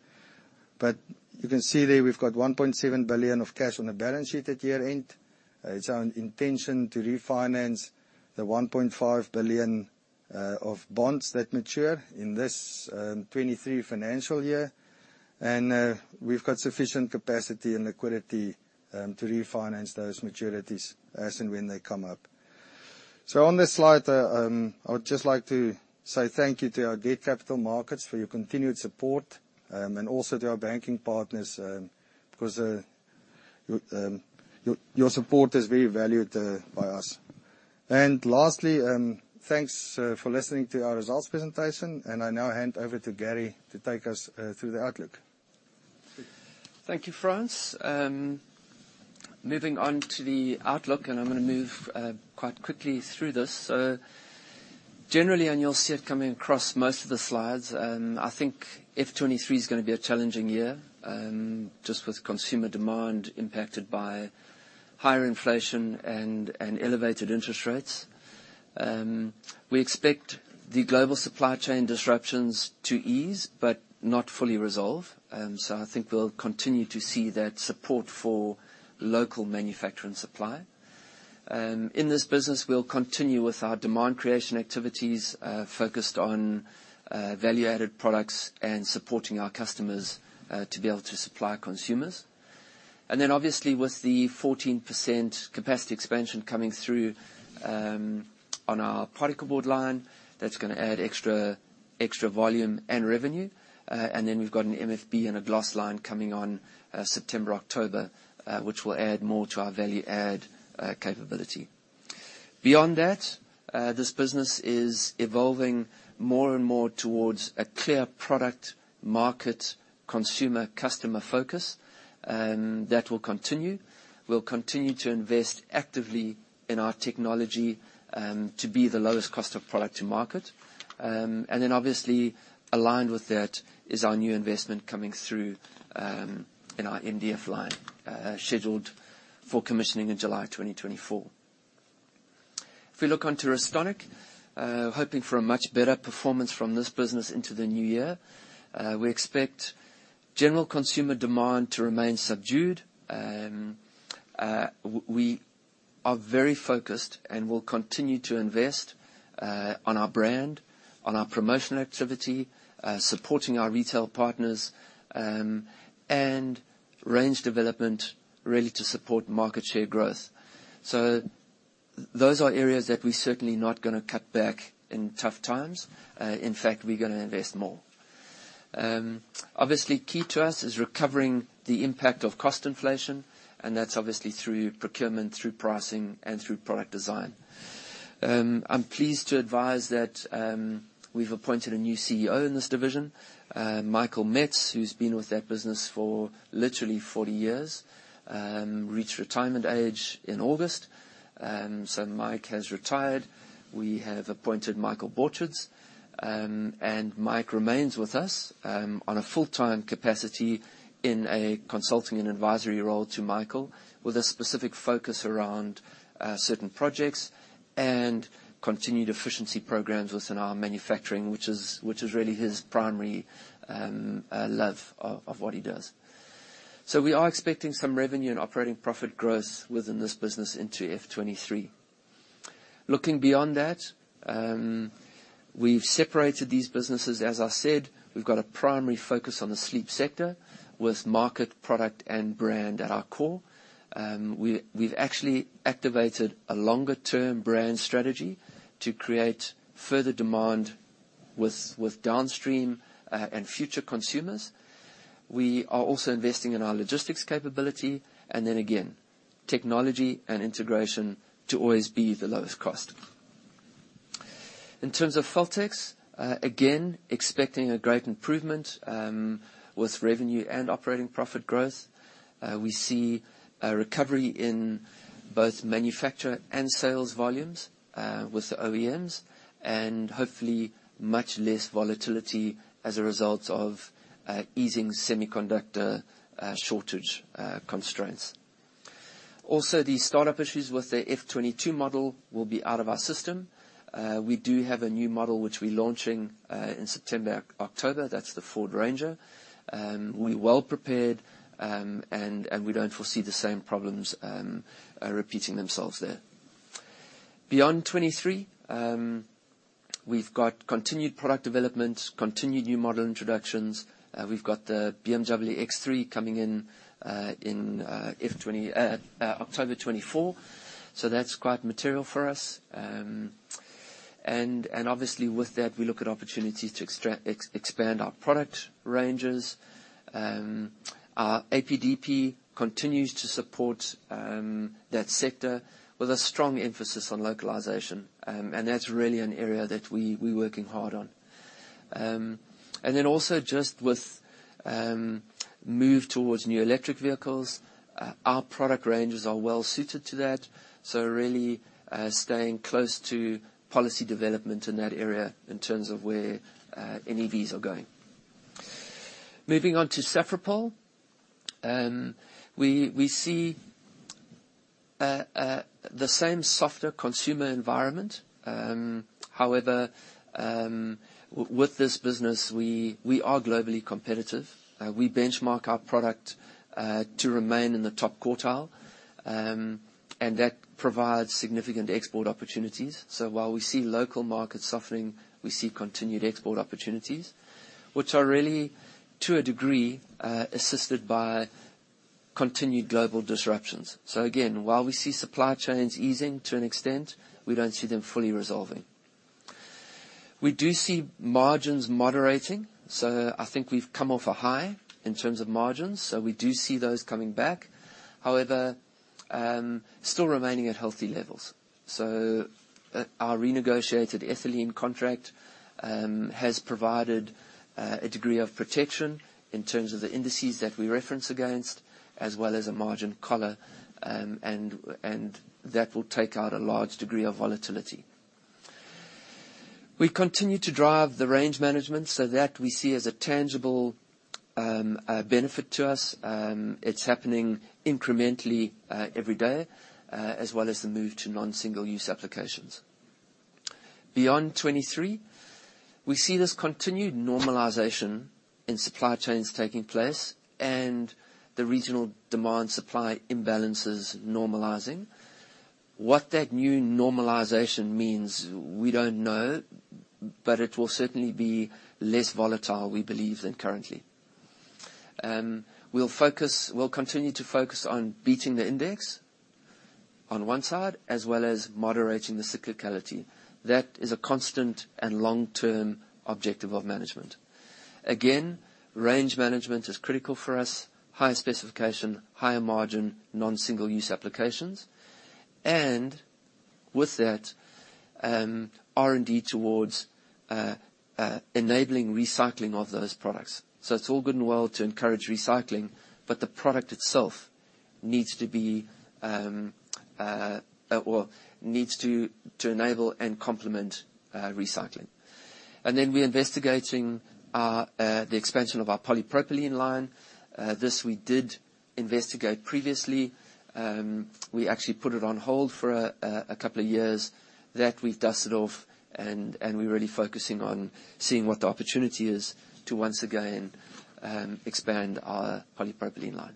You can see there, we've got 1.7 billion of cash on the balance sheet at year-end. It's our intention to refinance the 1.5 billion of bonds that mature in this 2023 financial year. We've got sufficient capacity and liquidity to refinance those maturities as and when they come up. On this slide, I would just like to say thank you to our debt capital markets for your continued support and also to our banking partners because your support is very valued by us. Lastly, thanks for listening to our results presentation. I now hand over to Gary to take us through the outlook. Thank you, Frans. Moving on to the outlook, and I'm gonna move quite quickly through this. Generally, you'll see it coming across most of the slides. I think FY 2023 is gonna be a challenging year, just with consumer demand impacted by higher inflation and elevated interest rates. We expect the global supply chain disruptions to ease but not fully resolve, so I think we'll continue to see that support for local manufacture and supply. In this business, we'll continue with our demand creation activities, focused on value-added products and supporting our customers to be able to supply consumers. Then obviously, with the 14% capacity expansion coming through, on our particleboard line, that's gonna add extra volume and revenue. We've got an MFB and a gloss line coming on September, October, which will add more to our value add capability. Beyond that, this business is evolving more and more towards a clear product market consumer customer focus, and that will continue. We'll continue to invest actively in our technology to be the lowest cost of product to market. Obviously, aligned with that is our new investment coming through in our MDF line scheduled for commissioning in July 2024. If we look onto Restonic, hoping for a much better performance from this business into the new year. We expect general consumer demand to remain subdued. We are very focused and will continue to invest on our brand, on our promotional activity, supporting our retail partners, and range development really to support market share growth. Those are areas that we're certainly not gonna cut back in tough times. In fact, we're gonna invest more. Obviously key to us is recovering the impact of cost inflation, and that's obviously through procurement, through pricing, and through product design. I'm pleased to advise that we've appointed a new CEO in this division. Michael Metz, who's been with that business for literally 40 years, reached retirement age in August, so Mike has retired. We have appointed Michael Borcherds, and Mike remains with us on a full-time capacity in a consulting and advisory role to Michael, with a specific focus around certain projects and continued efficiency programs within our manufacturing, which is really his primary love of what he does. We are expecting some revenue and operating profit growth within this business into FY 2023. Looking beyond that, we've separated these businesses. As I said, we've got a primary focus on the sleep sector with market, product, and brand at our core. We've actually activated a longer-term brand strategy to create further demand with downstream and future consumers. We are also investing in our logistics capability, and then again, technology and integration to always be the lowest cost. In terms of Feltex, again, expecting a great improvement with revenue and operating profit growth. We see a recovery in both manufacture and sales volumes with the OEMs, and hopefully much less volatility as a result of easing semiconductor shortage constraints. Also, the startup issues with the F22 model will be out of our system. We do have a new model which we're launching in September, October. That's the Ford Ranger. We're well prepared, and we don't foresee the same problems repeating themselves there. Beyond 2023, we've got continued product development, continued new model introductions. We've got the BMW X3 coming in October 2024. So that's quite material for us. And obviously with that, we look at opportunities to expand our product ranges. Our APDP continues to support that sector with a strong emphasis on localization. That's really an area that we working hard on. Also just with move towards new electric vehicles, our product ranges are well suited to that, so really staying close to policy development in that area in terms of where NEVs are going. Moving on to Safripol. We see the same softer consumer environment. However, with this business, we are globally competitive. We benchmark our product to remain in the top quartile, and that provides significant export opportunities. While we see local markets suffering, we see continued export opportunities, which are really, to a degree, assisted by continued global disruptions. Again, while we see supply chains easing to an extent, we don't see them fully resolving. We do see margins moderating, so I think we've come off a high in terms of margins, so we do see those coming back, however, still remaining at healthy levels. Our renegotiated ethylene contract has provided a degree of protection in terms of the indices that we reference against, as well as a margin collar, and that will take out a large degree of volatility. We continue to drive the change management so that we see as a tangible benefit to us. It's happening incrementally every day, as well as the move to non-single use applications. Beyond 2023, we see this continued normalization in supply chains taking place and the regional demand supply imbalances normalizing. What that new normalization means, we don't know, but it will certainly be less volatile, we believe, than currently. We'll continue to focus on beating the index on one side, as well as moderating the cyclicality. That is a constant and long-term objective of management. Again, margin management is critical for us. Higher specification, higher margin, non-single use applications. With that, R&D towards enabling recycling of those products. It's all good and well to encourage recycling, but the product itself needs to be or needs to enable and complement recycling. Then we're investigating the expansion of our polypropylene line. This we did investigate previously. We actually put it on hold for a couple of years. That we've dusted off and we're really focusing on seeing what the opportunity is to once again expand our polypropylene line.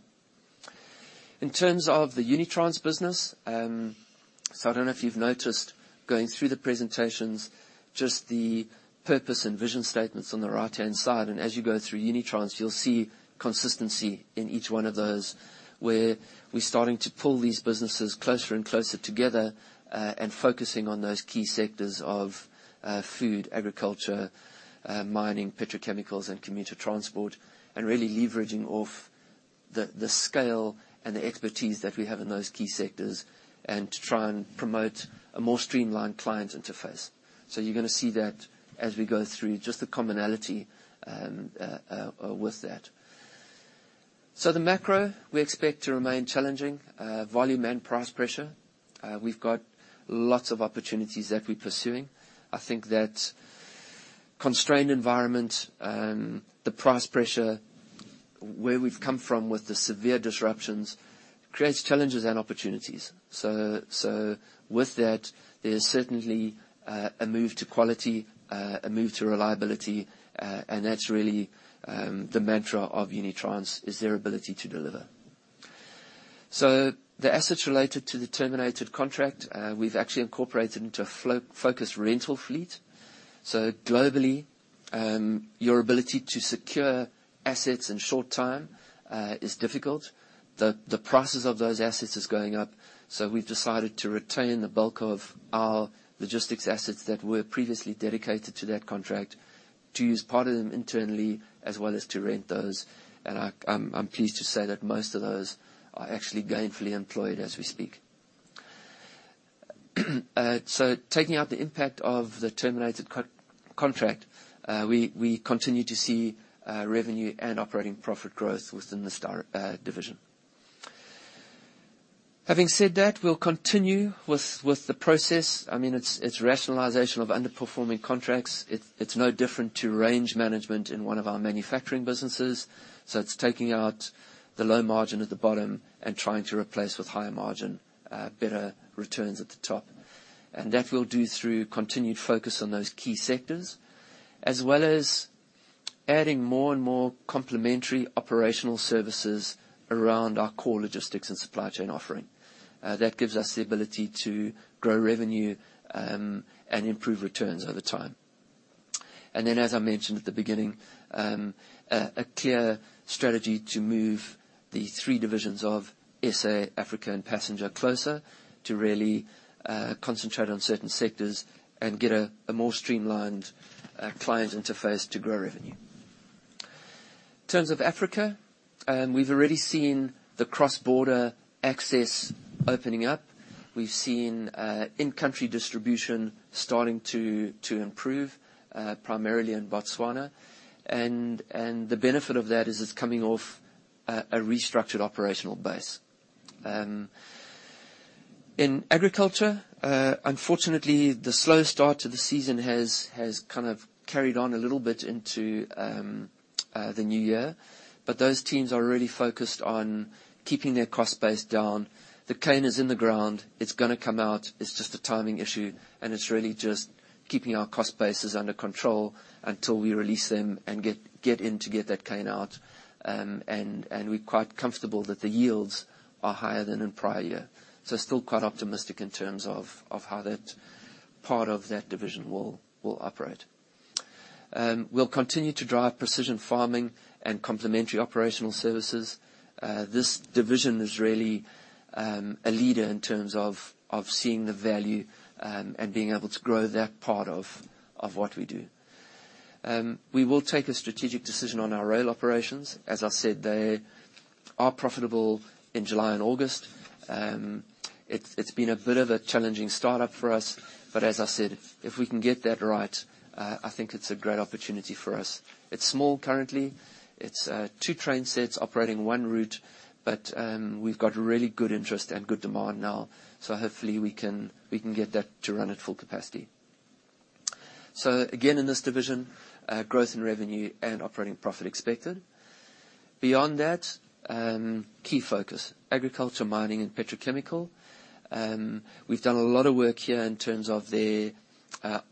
In terms of the Unitrans business, so I don't know if you've noticed going through the presentations, just the purpose and vision statements on the right-hand side. As you go through Unitrans, you'll see consistency in each one of those, where we're starting to pull these businesses closer and closer together and focusing on those key sectors of food, agriculture, mining, petrochemicals, and commuter transport, and really leveraging off the scale and the expertise that we have in those key sectors and to try and promote a more streamlined client interface. You're gonna see that as we go through just the commonality with that. The macro we expect to remain challenging, volume and price pressure. We've got lots of opportunities that we're pursuing. I think that constrained environment, the price pressure where we've come from with the severe disruptions creates challenges and opportunities. With that, there's certainly a move to quality, a move to reliability, and that's really the mantra of Unitrans, is their ability to deliver. The assets related to the terminated contract, we've actually incorporated into a focused rental fleet. Globally, your ability to secure assets in short time is difficult. The price of those assets is going up, so we've decided to retain the bulk of our logistics assets that were previously dedicated to that contract to use part of them internally as well as to rent those. I'm pleased to say that most of those are actually gainfully employed as we speak. Taking out the impact of the terminated contract, we continue to see revenue and operating profit growth within this division. Having said that, we'll continue with the process. I mean, it's rationalization of underperforming contracts. It's no different to range management in one of our manufacturing businesses. It's taking out the low margin at the bottom and trying to replace with higher margin, better returns at the top. That we'll do through continued focus on those key sectors, as well as adding more and more complementary operational services around our core logistics and supply chain offering. That gives us the ability to grow revenue and improve returns over time. As I mentioned at the beginning, a clear strategy to move the three divisions of SA, Africa, and Passenger closer to really concentrate on certain sectors and get a more streamlined client interface to grow revenue. In terms of Africa, we've already seen the cross-border access opening up. We've seen in-country distribution starting to improve, primarily in Botswana. The benefit of that is it's coming off a restructured operational base. In agriculture, unfortunately, the slow start to the season has kind of carried on a little bit into the new year. Those teams are really focused on keeping their cost base down. The cane is in the ground. It's gonna come out. It's just a timing issue, and it's really just keeping our cost bases under control until we release them and get in to get that cane out. We're quite comfortable that the yields are higher than in prior year. Still quite optimistic in terms of how that part of that division will operate. We'll continue to drive precision farming and complementary operational services. This division is really a leader in terms of seeing the value and being able to grow that part of what we do. We will take a strategic decision on our rail operations. As I said, they are profitable in July and August. It's been a bit of a challenging startup for us. As I said, if we can get that right, I think it's a great opportunity for us. It's small currently. It's two train sets operating one route, but we've got really good interest and good demand now, so hopefully we can get that to run at full capacity. Again, in this division, growth in revenue and operating profit expected. Beyond that, key focus, agriculture, mining, and petrochemical. We've done a lot of work here in terms of their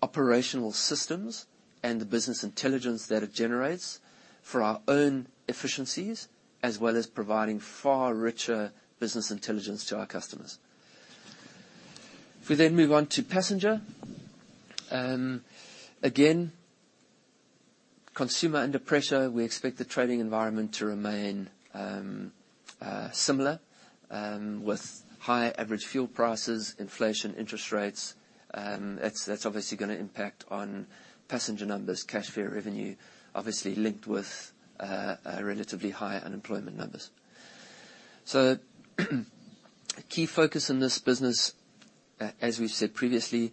operational systems and the business intelligence that it generates for our own efficiencies, as well as providing far richer business intelligence to our customers. If we then move on to Passenger, again, consumer under pressure. We expect the trading environment to remain similar, with high average fuel prices, inflation, interest rates. That's obviously gonna impact on passenger numbers, cash fare revenue, obviously linked with relatively high unemployment numbers. Key focus in this business, as we've said previously,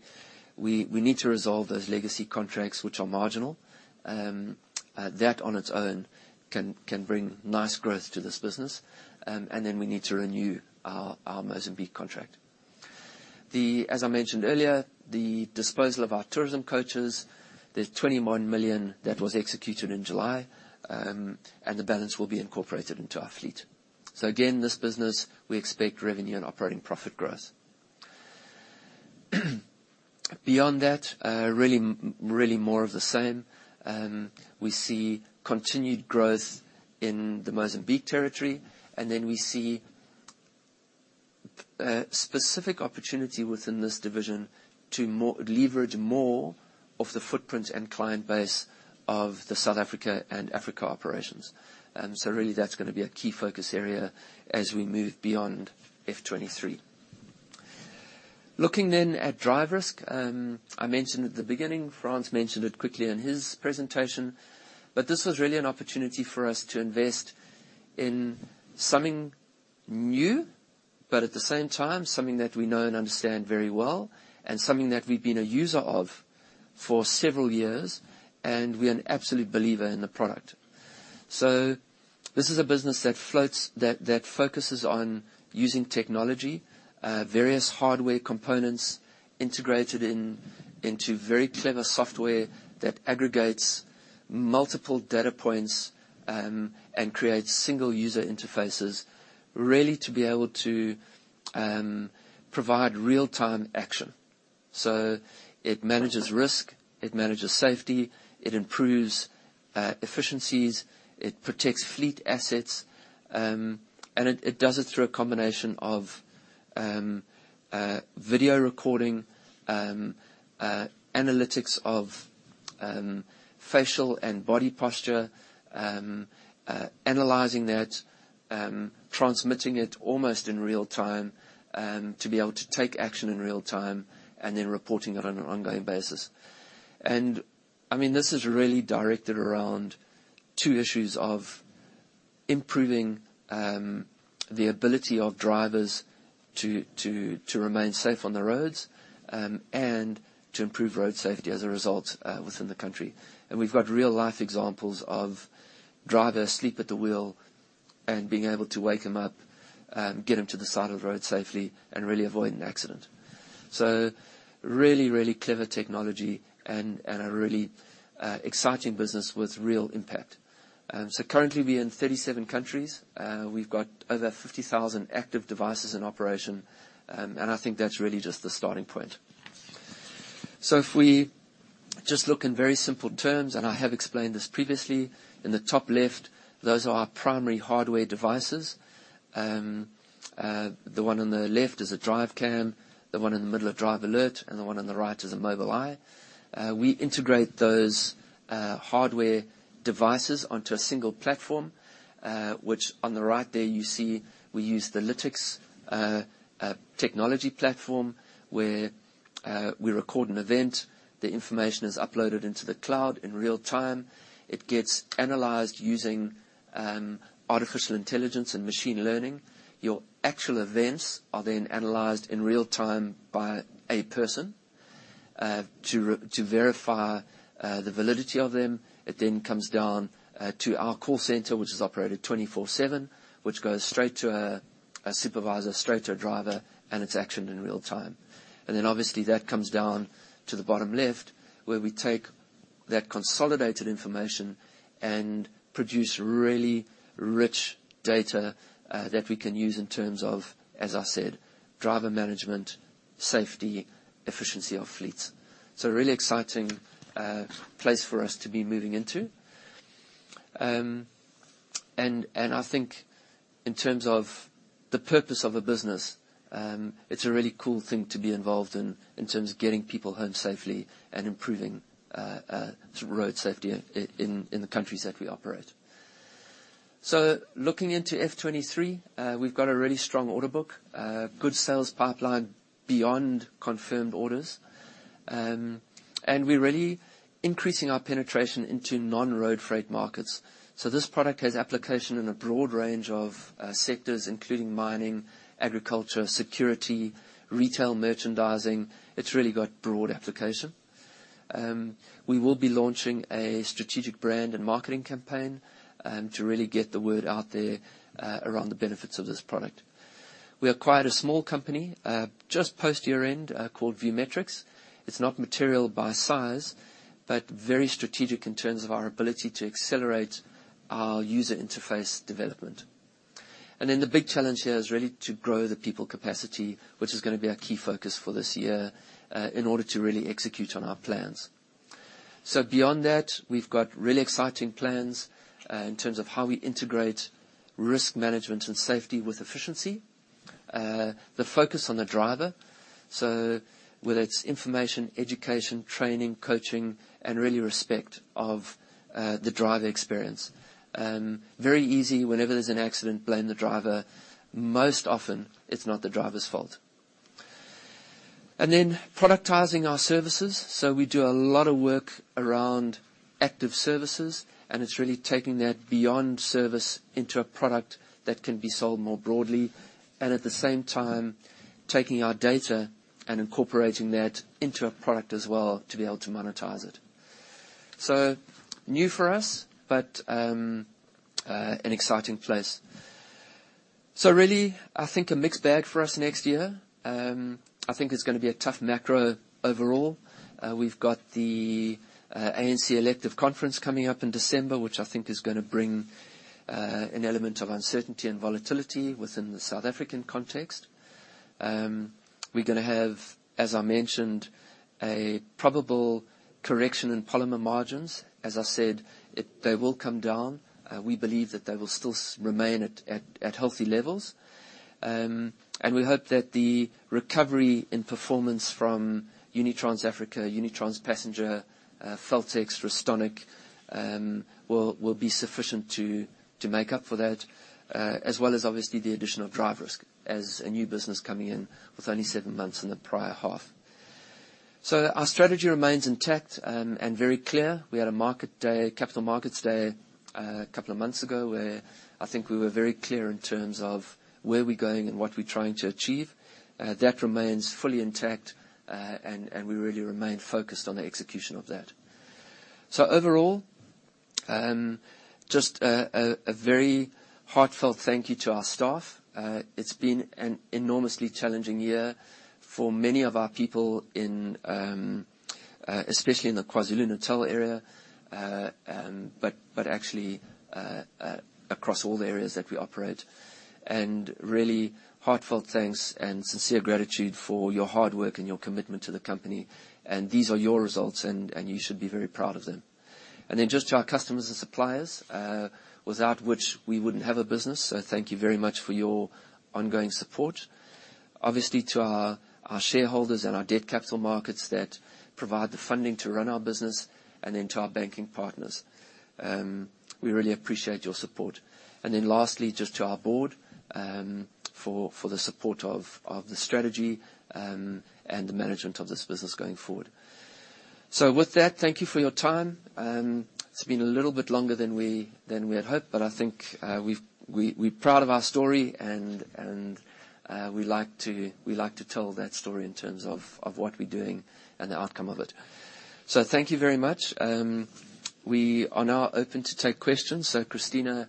we need to resolve those legacy contracts which are marginal. That on its own can bring nice growth to this business. We need to renew our Mozambique contract. As I mentioned earlier, the disposal of our tourism coaches, the 21 million that was executed in July, and the balance will be incorporated into our fleet. Again, this business, we expect revenue and operating profit growth. Beyond that, really more of the same. We see continued growth in the Mozambique territory, and then we see specific opportunity within this division to leverage more of the footprint and client base of the South Africa and Africa operations. Really that's gonna be a key focus area as we move beyond FY 2023. Looking at DriveRisk, I mentioned at the beginning, Frans mentioned it quickly in his presentation, but this was really an opportunity for us to invest in something new, but at the same time, something that we know and understand very well and something that we've been a user of for several years, and we're an absolute believer in the product. This is a business that focuses on using technology, various hardware components integrated into very clever software that aggregates multiple data points and creates single user interfaces, really to be able to provide real-time action. It manages risk, it manages safety, it improves efficiencies, it protects fleet assets, and it does it through a combination of video recording, analytics of facial and body posture, analyzing that, transmitting it almost in real time to be able to take action in real time, and then reporting it on an ongoing basis. I mean, this is really directed around two issues of improving the ability of drivers to remain safe on the roads and to improve road safety as a result within the country. We've got real-life examples of drivers asleep at the wheel and being able to wake them up, get them to the side of the road safely, and really avoid an accident. Really clever technology and a really exciting business with real impact. Currently we're in 37 countries. We've got over 50,000 active devices in operation, and I think that's really just the starting point. If we just look in very simple terms, and I have explained this previously, in the top left, those are our primary hardware devices. The one on the left is a DriveCam, the one in the middle a DriveAlert, and the one on the right is a Mobileye. We integrate those hardware devices onto a single platform, which on the right there you see we use the Lytx technology platform, where we record an event. The information is uploaded into the cloud in real time. It gets analyzed using artificial intelligence and machine learning. Your actual events are then analyzed in real time by a person to verify the validity of them. It then comes down to our call center, which is operated 24/7, which goes straight to a supervisor, straight to a driver, and it's actioned in real time. Then obviously that comes down to the bottom left, where we take that consolidated information and produce really rich data that we can use in terms of, as I said, driver management, safety, efficiency of fleets. A really exciting place for us to be moving into. I think in terms of the purpose of a business, it's a really cool thing to be involved in terms of getting people home safely and improving road safety in the countries that we operate. Looking into FY 2023, we've got a really strong order book, good sales pipeline beyond confirmed orders. We're really increasing our penetration into non-road freight markets. This product has application in a broad range of sectors, including mining, agriculture, security, retail merchandising. It's really got broad application. We will be launching a strategic brand and marketing campaign to really get the word out there around the benefits of this product. We acquired a small company just post year-end called Viewmetrics. It's not material by size, but very strategic in terms of our ability to accelerate our user interface development. Then the big challenge here is really to grow the people capacity, which is gonna be our key focus for this year in order to really execute on our plans. Beyond that, we've got really exciting plans in terms of how we integrate risk management and safety with efficiency. The focus on the driver, so whether it's information, education, training, coaching, and really respect of the driver experience. Very easy whenever there's an accident, blame the driver. Most often, it's not the driver's fault. Then productizing our services. We do a lot of work around active services, and it's really taking that beyond service into a product that can be sold more broadly, and at the same time taking our data and incorporating that into a product as well to be able to monetize it. New for us, but an exciting place. Really, I think a mixed bag for us next year. I think it's gonna be a tough macro overall. We've got the ANC elective conference coming up in December, which I think is gonna bring an element of uncertainty and volatility within the South African context. We're gonna have, as I mentioned, a probable correction in polymer margins. As I said, they will come down. We believe that they will still remain at healthy levels. We hope that the recovery in performance from Unitrans Africa, Unitrans Passenger, Feltex, Restonic will be sufficient to make up for that, as well as obviously the additional DriveRisk as a new business coming in with only seven months in the prior half. Our strategy remains intact and very clear. We had a market day, capital markets day a couple of months ago, where I think we were very clear in terms of where we're going and what we're trying to achieve. That remains fully intact, and we really remain focused on the execution of that. Overall, just a very heartfelt thank you to our staff. It's been an enormously challenging year for many of our people in, especially in the KwaZulu-Natal area, but actually, across all the areas that we operate. Really heartfelt thanks and sincere gratitude for your hard work and your commitment to the company. These are your results, and you should be very proud of them. Then just to our customers and suppliers, without which we wouldn't have a business, so thank you very much for your ongoing support. Obviously to our shareholders and our debt capital markets that provide the funding to run our business and then to our banking partners. We really appreciate your support. Then lastly, just to our board, for the support of the strategy, and the management of this business going forward. With that, thank you for your time. It's been a little bit longer than we had hoped, but I think we've we proud of our story and we like to tell that story in terms of what we're doing and the outcome of it. Thank you very much. We are now open to take questions. Christina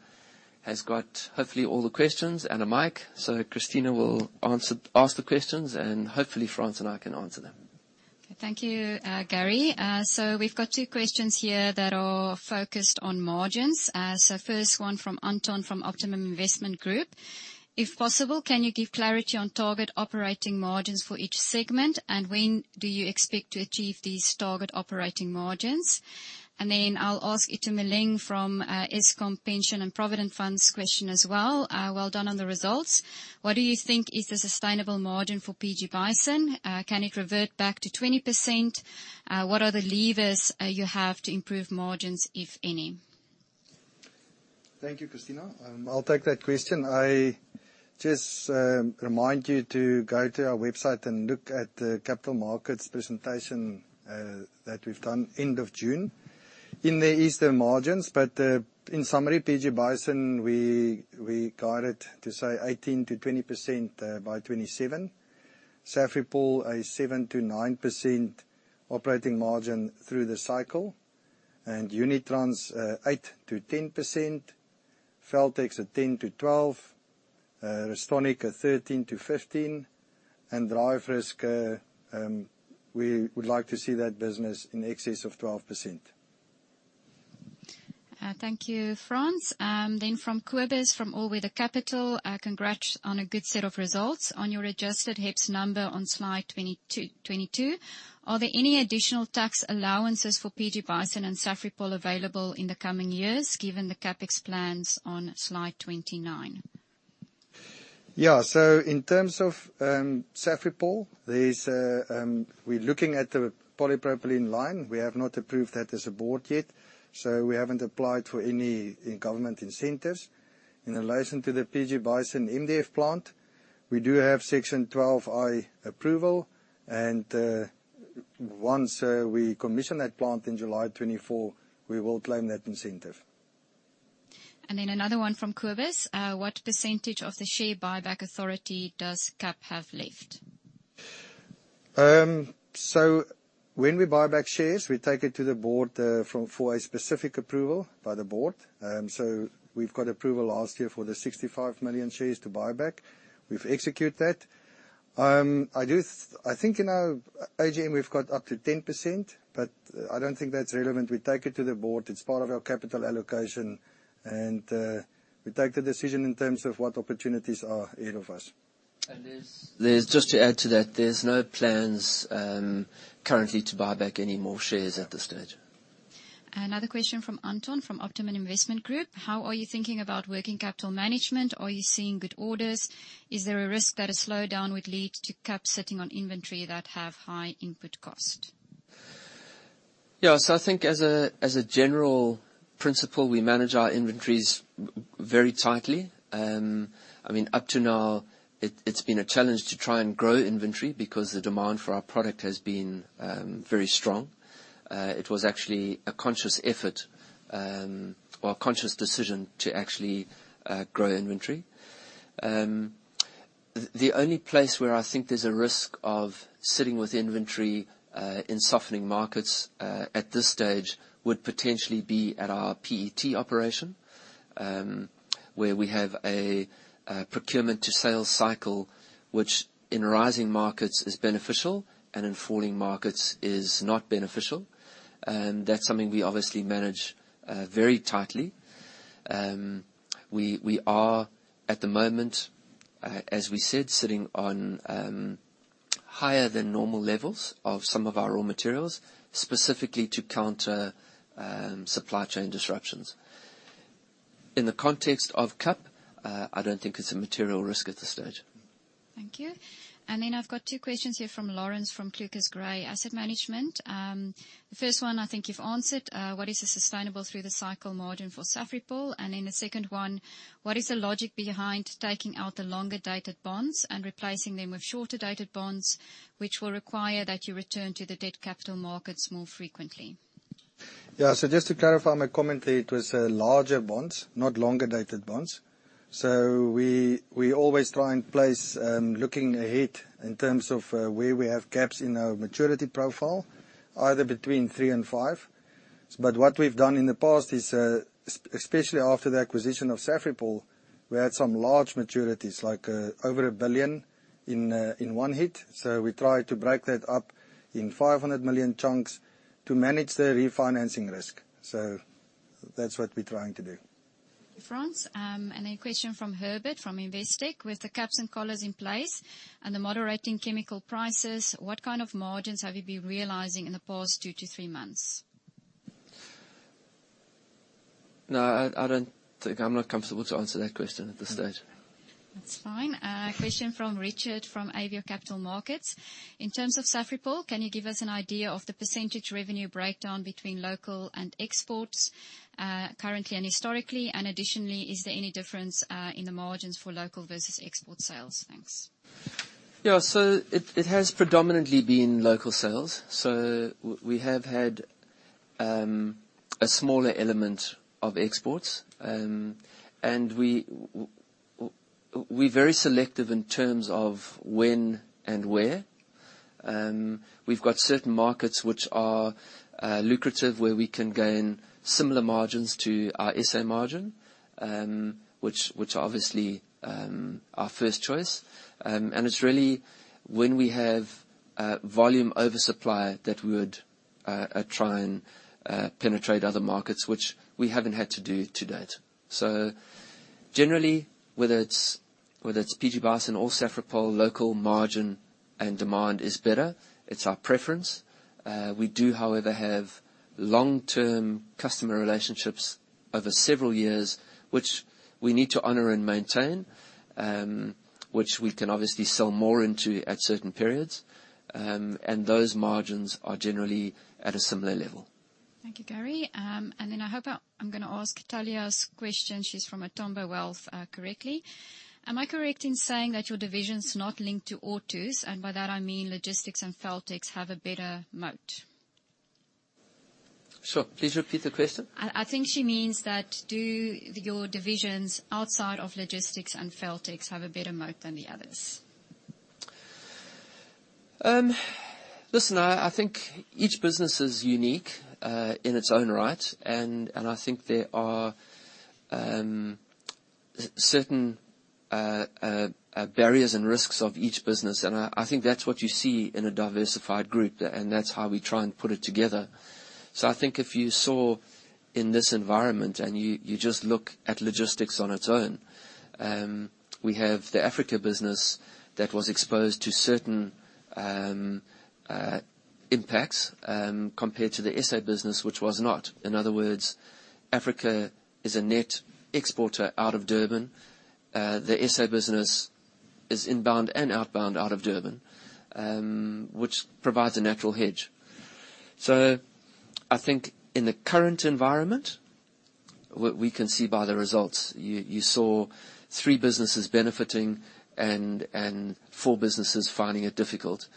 has got hopefully all the questions and a mic. Christina will ask the questions, and hopefully Frans and I can answer them. Thank you, Gary. So we've got two questions here that are focused on margins. First one from Anton from Optimum Investment Group. If possible, can you give clarity on target operating margins for each segment? And when do you expect to achieve these target operating margins? And then I'll ask Itumeleng from Eskom Pension and Provident Fund question as well. Well done on the results. What do you think is the sustainable margin for PG Bison? Can it revert back to 20%? What are the levers you have to improve margins, if any? Thank you, Christina. I'll take that question. I just remind you to go to our website and look at the capital markets presentation that we've done end of June. In there is the margins, but in summary, PG Bison, we guided to, say, 18%-20% by 2027. Safripol, a 7%-9% operating margin through the cycle. Unitrans, 8%-10%. Feltex at 10%-12%. Restonic at 13%-15%. DriveRisk, we would like to see that business in excess of 12%. Thank you, Frans. From Kobus from All Weather Capital. Congrats on a good set of results. On your adjusted HEPS number on slide 22, are there any additional tax allowances for PG Bison and Safripol available in the coming years, given the CapEx plans on slide 29? In terms of Safripol, we're looking at the polypropylene line. We have not approved that as a board yet, so we haven't applied for any government incentives. In relation to the PG Bison MDF plant, we do have Section 12I approval and once we commission that plant in July 2024, we will claim that incentive. Another one from Kobus. What percentage of the share buyback authority does KAP have left? When we buy back shares, we take it to the board for a specific approval by the board. We've got approval last year for the 65 million shares to buy back. We've executed that. I think in our AGM, we've got up to 10%, but I don't think that's relevant. We take it to the board. It's part of our capital allocation. We take the decision in terms of what opportunities are ahead of us. There's just to add to that, there's no plans currently to buy back any more shares at this stage. Another question from Anton from Optimum Investment Group. How are you thinking about working capital management? Are you seeing good orders? Is there a risk that a slowdown would lead to KAP sitting on inventory that have high input cost? Yeah. I think as a general principle, we manage our inventories very tightly. I mean, up to now, it's been a challenge to try and grow inventory because the demand for our product has been very strong. It was actually a conscious effort or a conscious decision to actually grow inventory. The only place where I think there's a risk of sitting with inventory in softening markets at this stage would potentially be at our PET operation, where we have a procurement to sales cycle, which in rising markets is beneficial and in falling markets is not beneficial. That's something we obviously manage very tightly. We are at the moment, as we said, sitting on higher than normal levels of some of our raw materials, specifically to counter supply chain disruptions. In the context of KAP, I don't think it's a material risk at this stage. Thank you. I've got two questions here from Lawrence from ClucasGray Asset Management. The first one, I think you've answered. What is the sustainable through the cycle margin for Safripol? The second one, what is the logic behind taking out the longer-dated bonds and replacing them with shorter-dated bonds, which will require that you return to the debt capital markets more frequently? Yeah. Just to clarify my comment there, it was larger bonds, not longer-dated bonds. We always try and place looking ahead in terms of where we have gaps in our maturity profile, either between 3 and 5. What we've done in the past is especially after the acquisition of Safripol, we had some large maturities, like over 1 billion in one hit. We try to break that up in 500 million chunks to manage the refinancing risk. That's what we're trying to do. Frans, a question from Herbert from Investec. With the caps and collars in place and the moderating chemical prices, what kind of margins have you been realizing in the past two to three months? No, I'm not comfortable to answer that question at this stage. That's fine. Question from Richard from Avior Capital Markets. In terms of Safripol, can you give us an idea of the percentage revenue breakdown between local and exports, currently and historically? Additionally, is there any difference in the margins for local versus export sales? Thanks. It has predominantly been local sales. We have had a smaller element of exports. We're very selective in terms of when and where. We've got certain markets which are lucrative, where we can gain similar margins to our SA margin, which obviously are first choice. It's really when we have volume oversupply that we would try and penetrate other markets which we haven't had to do to date. Generally, whether it's PG Bison or Safripol, local margin and demand is better. It's our preference. We do, however, have long-term customer relationships over several years, which we need to honor and maintain, which we can obviously sell more into at certain periods. Those margins are generally at a similar level. Thank you, Gary. I'm gonna ask Talia's question, she's from Atomba Wealth, correctly. Am I correct in saying that your division's not linked to OEMs? By that, I mean Logistics and Feltex have a better moat. Sorry, please repeat the question. I think she means that do your divisions outside of Logistics and Feltex have a better moat than the others? Listen, I think each business is unique in its own right, and I think there are certain barriers and risks of each business. I think that's what you see in a diversified group. That's how we try and put it together. I think if you saw in this environment and you just look at logistics on its own, we have the Africa business that was exposed to certain impacts, compared to the SA business which was not. In other words, Africa is a net exporter out of Durban. The SA business is inbound and outbound out of Durban, which provides a natural hedge. I think in the current environment, we can see by the results. You saw three businesses benefiting and four businesses finding it difficult.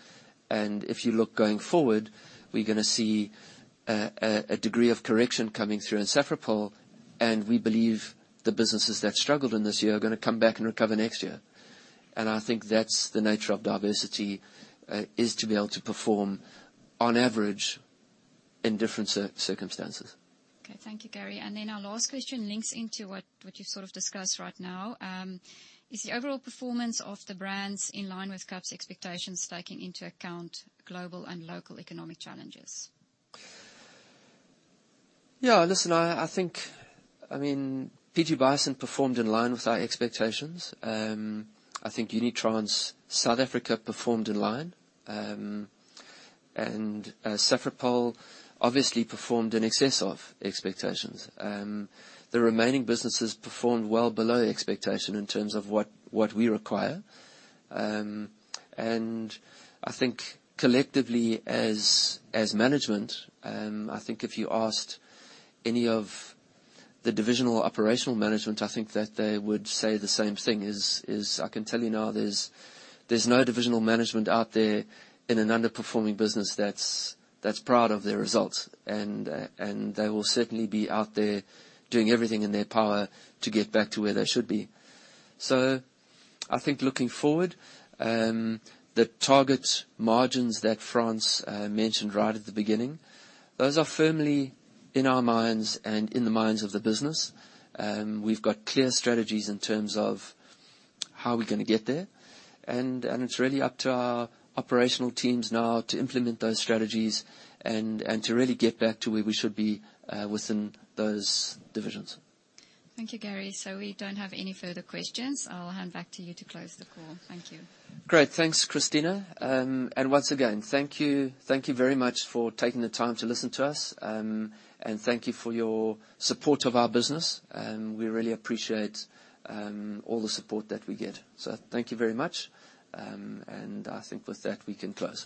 If you look going forward, we're gonna see a degree of correction coming through in Safripol, and we believe the businesses that struggled in this year are gonna come back and recover next year. I think that's the nature of diversity is to be able to perform on average in different circumstances. Okay. Thank you, Gary. Our last question links into what you've sort of discussed right now. Is the overall performance of the brands in line with KAP's expectations taking into account global and local economic challenges? Yeah, listen, I think. I mean, PG Bison performed in line with our expectations. I think Unitrans South Africa performed in line. Safripol obviously performed in excess of expectations. The remaining businesses performed well below expectation in terms of what we require. I think collectively as management, I think if you asked any of the divisional operational management, I think that they would say the same thing. I can tell you now there's no divisional management out there in an underperforming business that's proud of their results, and they will certainly be out there doing everything in their power to get back to where they should be. I think looking forward, the target margins that Frans mentioned right at the beginning, those are firmly in our minds and in the minds of the business. We've got clear strategies in terms of how we're gonna get there. It's really up to our operational teams now to implement those strategies and to really get back to where we should be within those divisions. Thank you, Gary. We don't have any further questions. I'll hand back to you to close the call. Thank you. Great. Thanks, Christina. Once again, thank you. Thank you very much for taking the time to listen to us. Thank you for your support of our business, and we really appreciate all the support that we get. Thank you very much. I think with that, we can close.